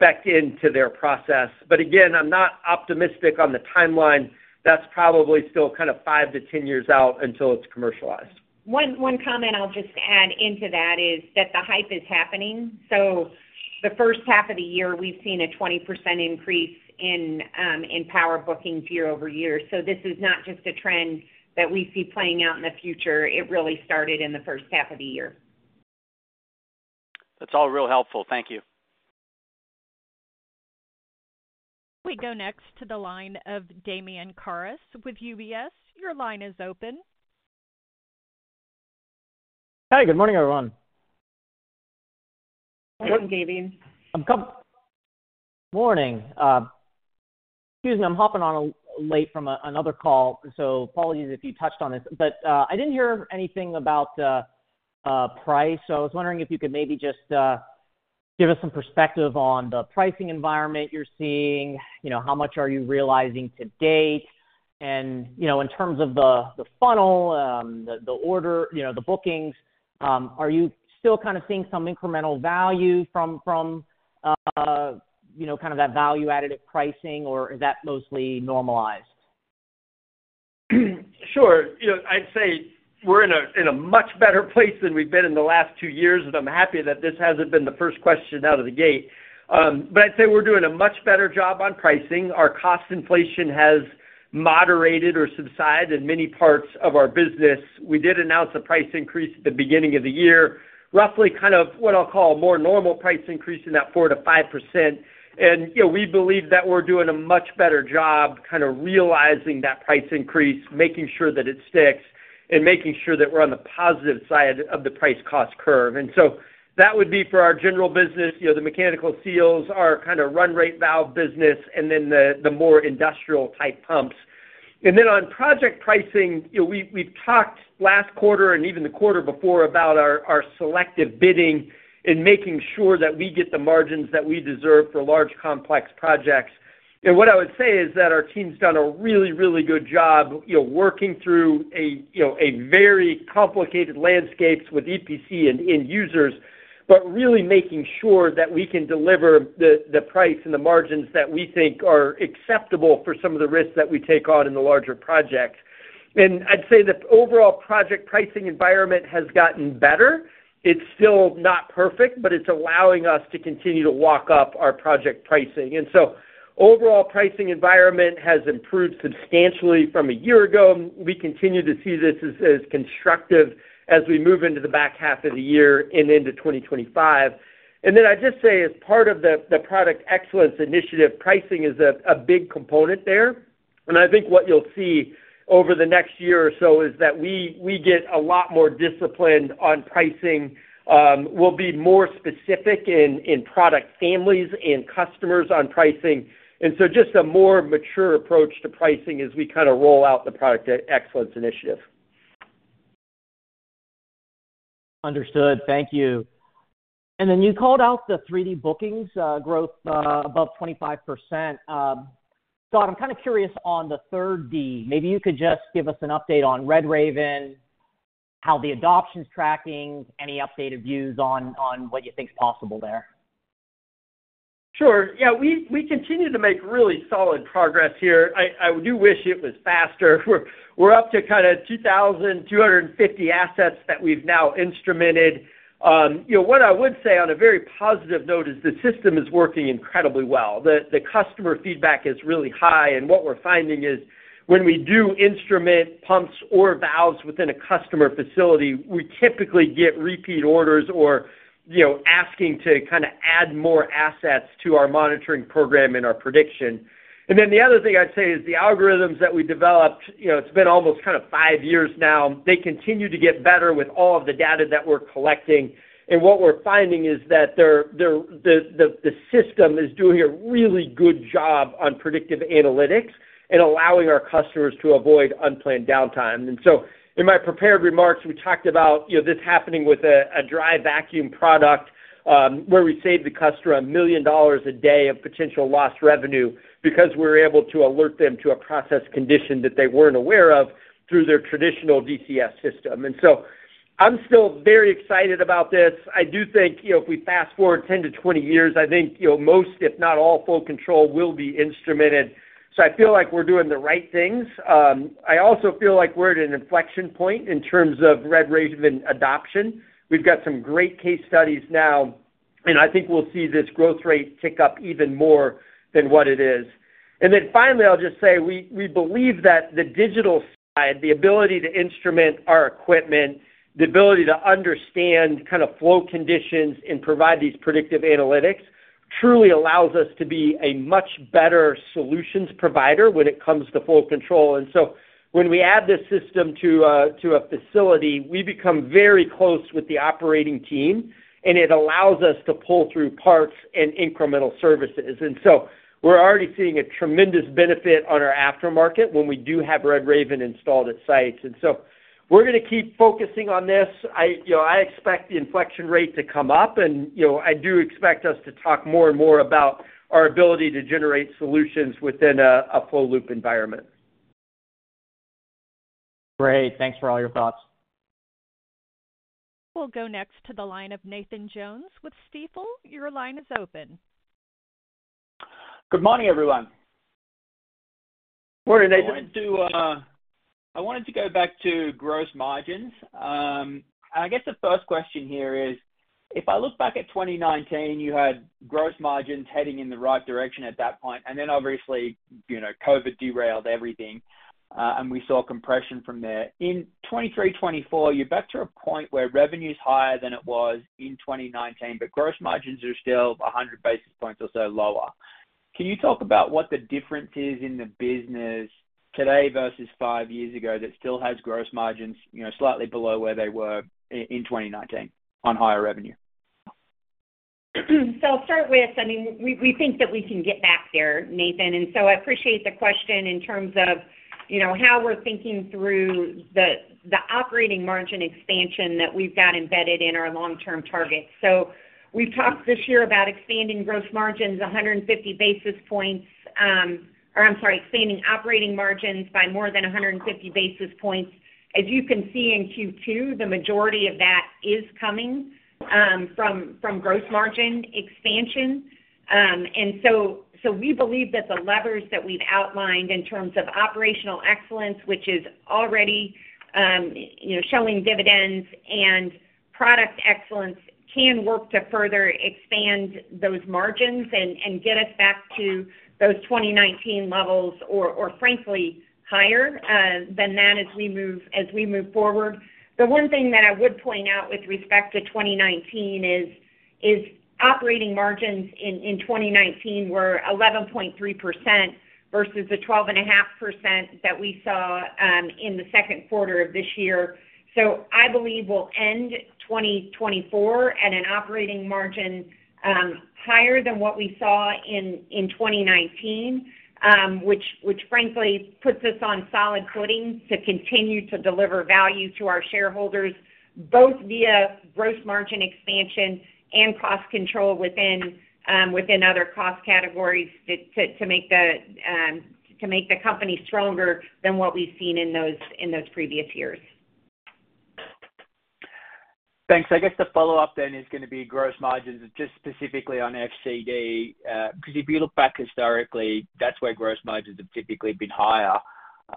spec'd into their process. But again, I'm not optimistic on the timeline. That's probably still kind of five to 10 years out until it's commercialized. One comment I'll just add into that is that the hype is happening. So the first half of the year, we've seen a 20% increase in in power bookings year-over-year. So this is not just a trend that we see playing out in the future. It really started in the first half of the year. That's all real helpful. Thank you. We go next to the line of Damian Karas with UBS. Your line is open. Hi, good morning, everyone. Morning, Damian. Good morning. Excuse me, I'm hopping on late from another call, so apologies if you touched on this. But I didn't hear anything about price. So I was wondering if you could maybe just give us some perspective on the pricing environment you're seeing, you know, how much are you realizing to date? And, you know, in terms of the funnel, the order, you know, the bookings, are you still kind of seeing some incremental value from, from you know, kind of that value-added pricing, or is that mostly normalized? Sure. You know, I'd say we're in a, in a much better place than we've been in the last two years, and I'm happy that this hasn't been the first question out of the gate. But I'd say we're doing a much better job on pricing. Our cost inflation has moderated or subsided in many parts of our business. We did announce a price increase at the beginning of the year, roughly kind of what I'll call a more normal price increase in that 4% to 5%. And, you know, we believe that we're doing a much better job kind of realizing that price increase, making sure that it sticks, and making sure that we're on the positive side of the price-cost curve. And so that would be for our general business, you know, the mechanical seals, our kind of run rate valve business, and then the more industrial-type pumps. And then on project pricing, you know, we've talked last quarter and even the quarter before about our selective bidding in making sure that we get the margins that we deserve for large, complex projects. And what I would say is that our team's done a really, really good job, you know, working through a very complicated landscape with EPC and end users, but really making sure that we can deliver the price and the margins that we think are acceptable for some of the risks that we take on in the larger projects. And I'd say the overall project pricing environment has gotten better. It's still not perfect, but it's allowing us to continue to walk up our project pricing. And so overall, pricing environment has improved substantially from a year ago, and we continue to see this as constructive as we move into the back half of the year and into 2025. And then I'd just say, as part of the product excellence initiative, pricing is a big component there. And I think what you'll see over the next year or so is that we get a lot more disciplined on pricing. We'll be more specific in product families and customers on pricing. And so just a more mature approach to pricing as we kind of roll out the product excellence initiative. Understood. Thank you. And then you called out the 3D bookings, growth, above 25%. So I'm kind of curious on the third D. Maybe you could just give us an update on RedRaven, how the adoption's tracking, any updated views on, on what you think is possible there? Sure. Yeah, we continue to make really solid progress here. I do wish it was faster. We're up to kind of 2,250 assets that we've now instrumented. You know, what I would say on a very positive note is the system is working incredibly well. The customer feedback is really high, and what we're finding is when we do instrument pumps or valves within a customer facility, we typically get repeat orders or, you know, asking to kind of add more assets to our monitoring program and our prediction. And then the other thing I'd say is the algorithms that we developed, you know, it's been almost kind of five years now. They continue to get better with all of the data that we're collecting. What we're finding is that the system is doing a really good job on predictive analytics and allowing our customers to avoid unplanned downtime. And so in my prepared remarks, we talked about, you know, this happening with a dry vacuum product, where we saved the customer $1 million a day of potential lost revenue because we're able to alert them to a process condition that they weren't aware of through their traditional DCS system. And so I'm still very excited about this. I do think, you know, if we fast forward 10 to 20 years, I think, you know, most, if not all, flow control will be instrumented. So I feel like we're doing the right things. I also feel like we're at an inflection point in terms of RedRaven adoption. We've got some great case studies now, and I think we'll see this growth rate tick up even more than what it is. And then finally, I'll just say, we believe that the digital side, the ability to instrument our equipment, the ability to understand kind of flow conditions and provide these predictive analytics, truly allows us to be a much better solutions provider when it comes to flow control. And so when we add this system to a facility, we become very close with the operating team, and it allows us to pull through parts and incremental services. And so we're already seeing a tremendous benefit on our aftermarket when we do have RedRaven installed at sites. And so we're gonna keep focusing on this. I, you know, I expect the inflection rate to come up, and, you know, I do expect us to talk more and more about our ability to generate solutions within a full loop environment. Great. Thanks for all your thoughts. We'll go next to the line of Nathan Jones with Stifel. Your line is open. Good morning, everyone. Morning, Nathan. I wanted to go back to gross margins. I guess the first question here is, if I look back at 2019, you had gross margins heading in the right direction at that point, and then obviously, you know, COVID derailed everything, and we saw compression from there. In 2023, 2024, you're back to a point where revenue is higher than it was in 2019, but gross margins are still 100 basis points or so lower. Can you talk about what the difference is in the business today versus five years ago, that still has gross margins, you know, slightly below where they were in 2019 on higher revenue? So I'll start with, I mean, we, we think that we can get back there, Nathan, and so I appreciate the question in terms of, you know, how we're thinking through the, the operating margin expansion that we've got embedded in our long-term targets. So we've talked this year about expanding gross margins 150 basis points, or I'm sorry, expanding operating margins by more than 150 basis points. As you can see in Q2, the majority of that is coming from, from gross margin expansion. And so, so we believe that the levers that we've outlined in terms of operational excellence, which is already, you know, showing dividends and product excellence, can work to further expand those margins and, and get us back to those 2019 levels, or, or frankly, higher, than that as we move, as we move forward. The one thing that I would point out with respect to 2019 is, is operating margins in, in 2019 were 11.3% versus the 12.5% that we saw, in the second quarter of this year. So I believe we'll end 2024 at an operating margin higher than what we saw in 2019, which frankly puts us on solid footing to continue to deliver value to our shareholders, both via gross margin expansion and cost control within other cost categories, to make the company stronger than what we've seen in those previous years. Thanks. I guess the follow-up then is gonna be gross margins, just specifically on FCD, because if you look back historically, that's where gross margins have typically been higher.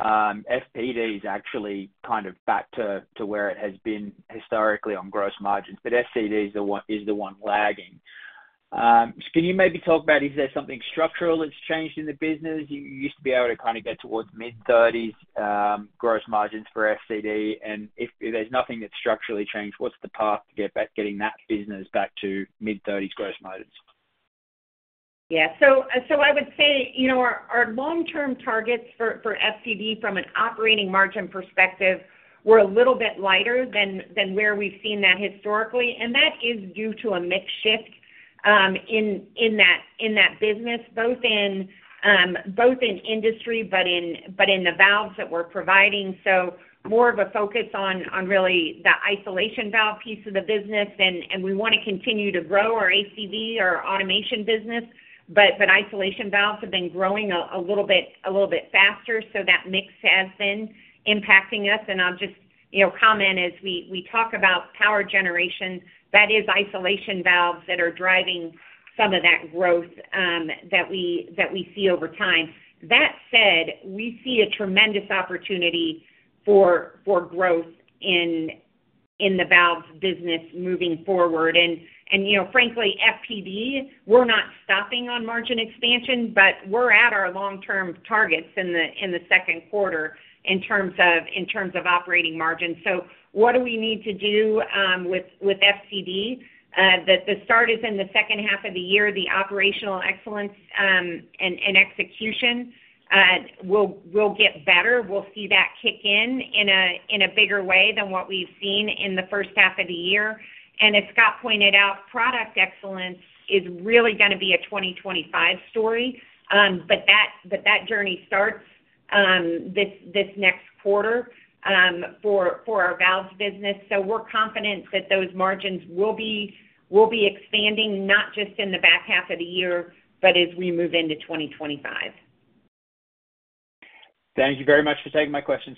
FPD is actually kind of back to, to where it has been historically on gross margins, but FCD is the one, is the one lagging. So can you maybe talk about, is there something structural that's changed in the business? You used to be able to kind of get towards mid-thirties gross margins for FCD, and if there's nothing that's structurally changed, what's the path to get back- getting that business back to mid-thirties gross margins? Yeah. So I would say, you know, our long-term targets for FCD from an operating margin perspective were a little bit lighter than where we've seen that historically, and that is due to a mix shift in that business, both in industry, but in the valves that we're providing. So more of a focus on really the isolation valve piece of the business. And we want to continue to grow our ACV, our automation business, but isolation valves have been growing a little bit faster, so that mix has been impacting us. And I'll just, you know, comment as we talk about power generation, that is isolation valves that are driving some of that growth that we see over time. That said, we see a tremendous opportunity for growth in the valves business moving forward. And you know, frankly, FPD, we're not stopping on margin expansion, but we're at our long-term targets in the second quarter in terms of operating margins. So what do we need to do with FCD? The start is in the second half of the year, the operational excellence and execution will get better. We'll see that kick in in a bigger way than what we've seen in the first half of the year. And as Scott pointed out, product excellence is really gonna be a 2025 story. But that journey starts this next quarter for our valves business. We're confident that those margins will be expanding, not just in the back half of the year, but as we move into 2025. Thank you very much for taking my questions.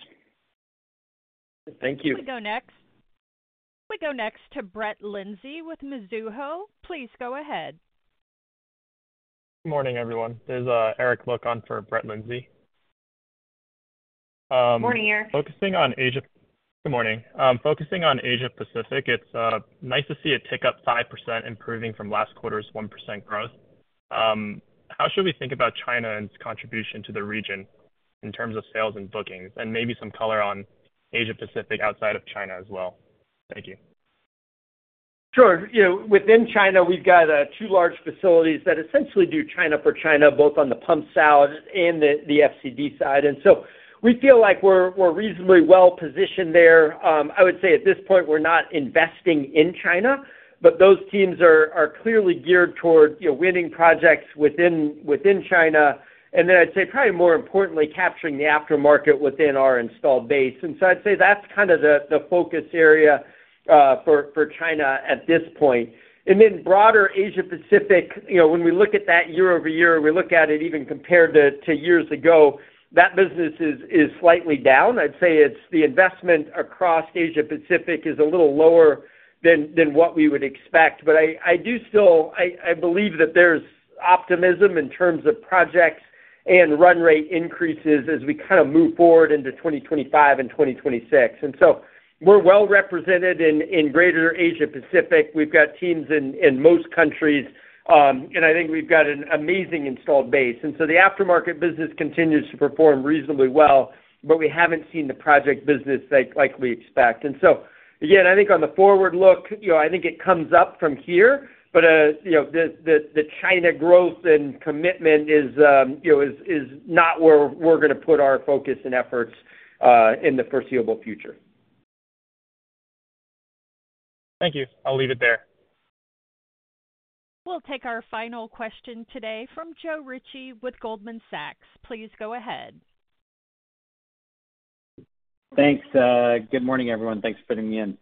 Thank you. We go next to Brett Linsey with Mizuho. Please go ahead. Good morning, everyone. This is Eric Look on for Brett Linsey. Morning, Eric. Focusing on Asia... Good morning. Focusing on Asia Pacific, it's nice to see it tick up 5%, improving from last quarter's 1% growth. How should we think about China and its contribution to the region in terms of sales and bookings? And maybe some color on Asia Pacific outside of China as well.... Thank you. Sure. You know, within China, we've got, two large facilities that essentially do China for China, both on the pump side and the, FCD side. And so we feel like we're, reasonably well positioned there. I would say at this point, we're not investing in China, but those teams are clearly geared toward, you know, winning projects within China. And then I'd say probably more importantly, capturing the aftermarket within our installed base. And so I'd say that's kind of the focus area, for China at this point. And then broader Asia Pacific, you know, when we look at that year over year, we look at it even compared to years ago, that business is slightly down. I'd say it's the investment across Asia Pacific is a little lower than what we would expect. But I do still believe that there's optimism in terms of projects and run rate increases as we kind of move forward into 2025 and 2026. And so we're well represented in greater Asia Pacific. We've got teams in most countries, and I think we've got an amazing installed base. And so the aftermarket business continues to perform reasonably well, but we haven't seen the project business like we expect. And so again, I think on the forward look, you know, I think it comes up from here. But you know, the China growth and commitment is not- where we're gonna put our focus and efforts in the foreseeable future. Thank you. I'll leave it there. We'll take our final question today from Joe Ritchie with Goldman Sachs. Please go ahead. Thanks. Good morning, everyone. Thanks for letting me in.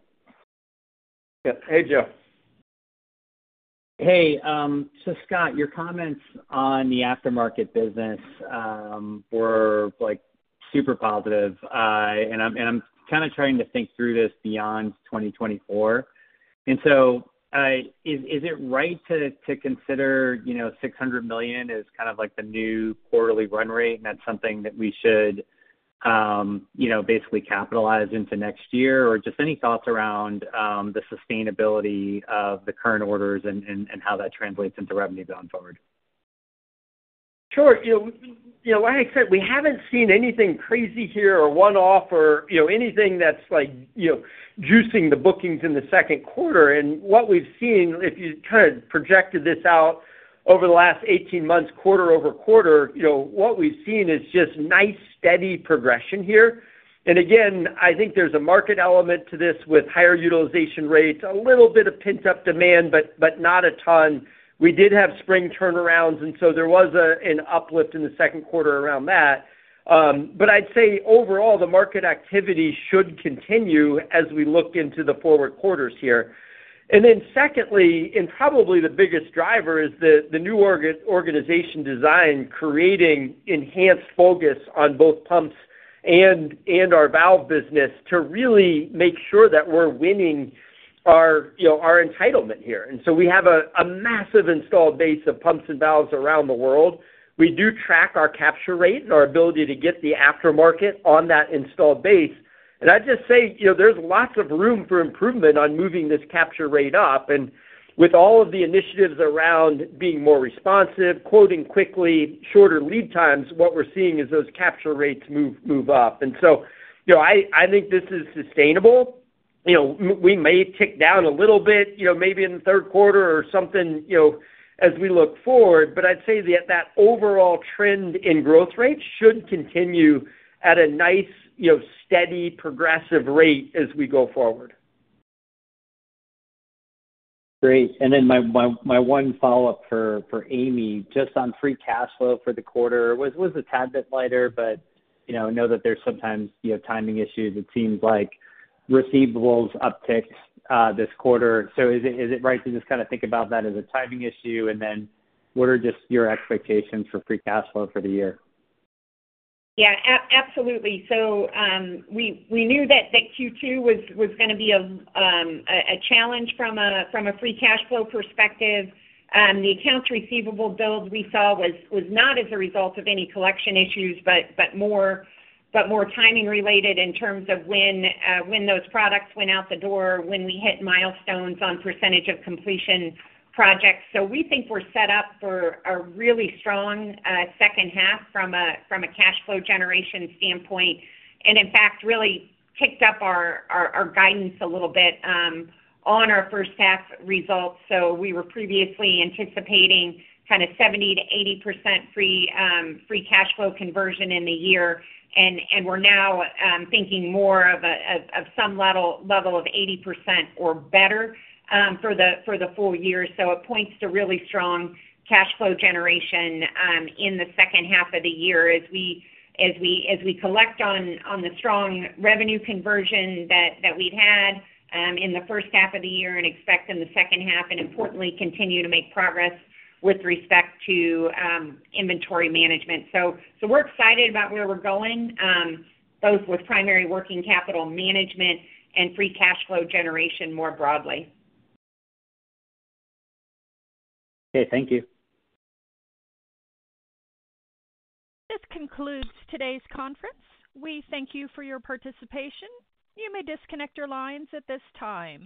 Yeah. Hey, Joe. Hey, so Scott, your comments on the aftermarket business were, like, super positive. And I'm kind of trying to think through this beyond 2024. So, is it right to consider, you know, $600 million as kind of like the new quarterly run rate, and that's something that we should, you know, basically capitalize into next year? Or just any thoughts around the sustainability of the current orders and how that translates into revenue going forward? Sure. You know, like I said, we haven't seen anything crazy here or one-off or, you know, anything that's like, you know, juicing the bookings in the second quarter. And what we've seen, if you kind of projected this out over the last 18 months, quarter over quarter, you know, what we've seen is just nice, steady progression here. And again, I think there's a market element to this with higher utilization rates, a little bit of pent-up demand, but not a ton. We did have spring turnarounds, and so there was a, an uplift in the second quarter around that. But I'd say overall, the market activity should continue as we look into the forward quarters here. And then secondly, and probably the biggest driver is the new organization design, creating enhanced focus on both pumps and our valve business to really make sure that we're winning our, you know, our entitlement here. And so we have a massive installed base of pumps and valves around the world. We do track our capture rate and our ability to get the aftermarket on that installed base. And I'd just say, you know, there's lots of room for improvement on moving this capture rate up. And with all of the initiatives around being more responsive, quoting quickly, shorter lead times, what we're seeing is those capture rates move up. And so, you know, I think this is sustainable. You know, we may tick down a little bit, you know, maybe in the third quarter or something, you know, as we look forward, but I'd say that that overall trend in growth rates should continue at a nice, you know, steady, progressive rate as we go forward. Great. And then my one follow-up for Amy, just on free cash flow for the quarter was a tad bit lighter, but, you know, I know that there's sometimes, you know, timing issues. It seems like receivables uptickes this quarter. So is it right to just kind of think about that as a timing issue, and then what are just your expectations for free cash flow for the year? Yeah, absolutely. So, we knew that Q2 was gonna be a challenge from a free cash flow perspective. The accounts receivable build we saw was not as a result of any collection issues, but more timing related in terms of when those products went out the door, when we hit milestones on percentage of completion projects. So we think we're set up for a really strong second half from a cash flow generation standpoint. And in fact, really ticked up our guidance a little bit on our first half results. So we were previously anticipating kind of 70% to 80% free cash flow conversion in the year. We're now thinking more of some level of 80% or better for the full year. So it points to really strong cash flow generation in the second half of the year as we collect on the strong revenue conversion that we'd had in the first half of the year and expect in the second half, and importantly, continue to make progress with respect to inventory management. So we're excited about where we're going both with primary working capital management and free cash flow generation more broadly. Okay, thank you. This concludes today's conference. We thank you for your participation. You may disconnect your lines at this time.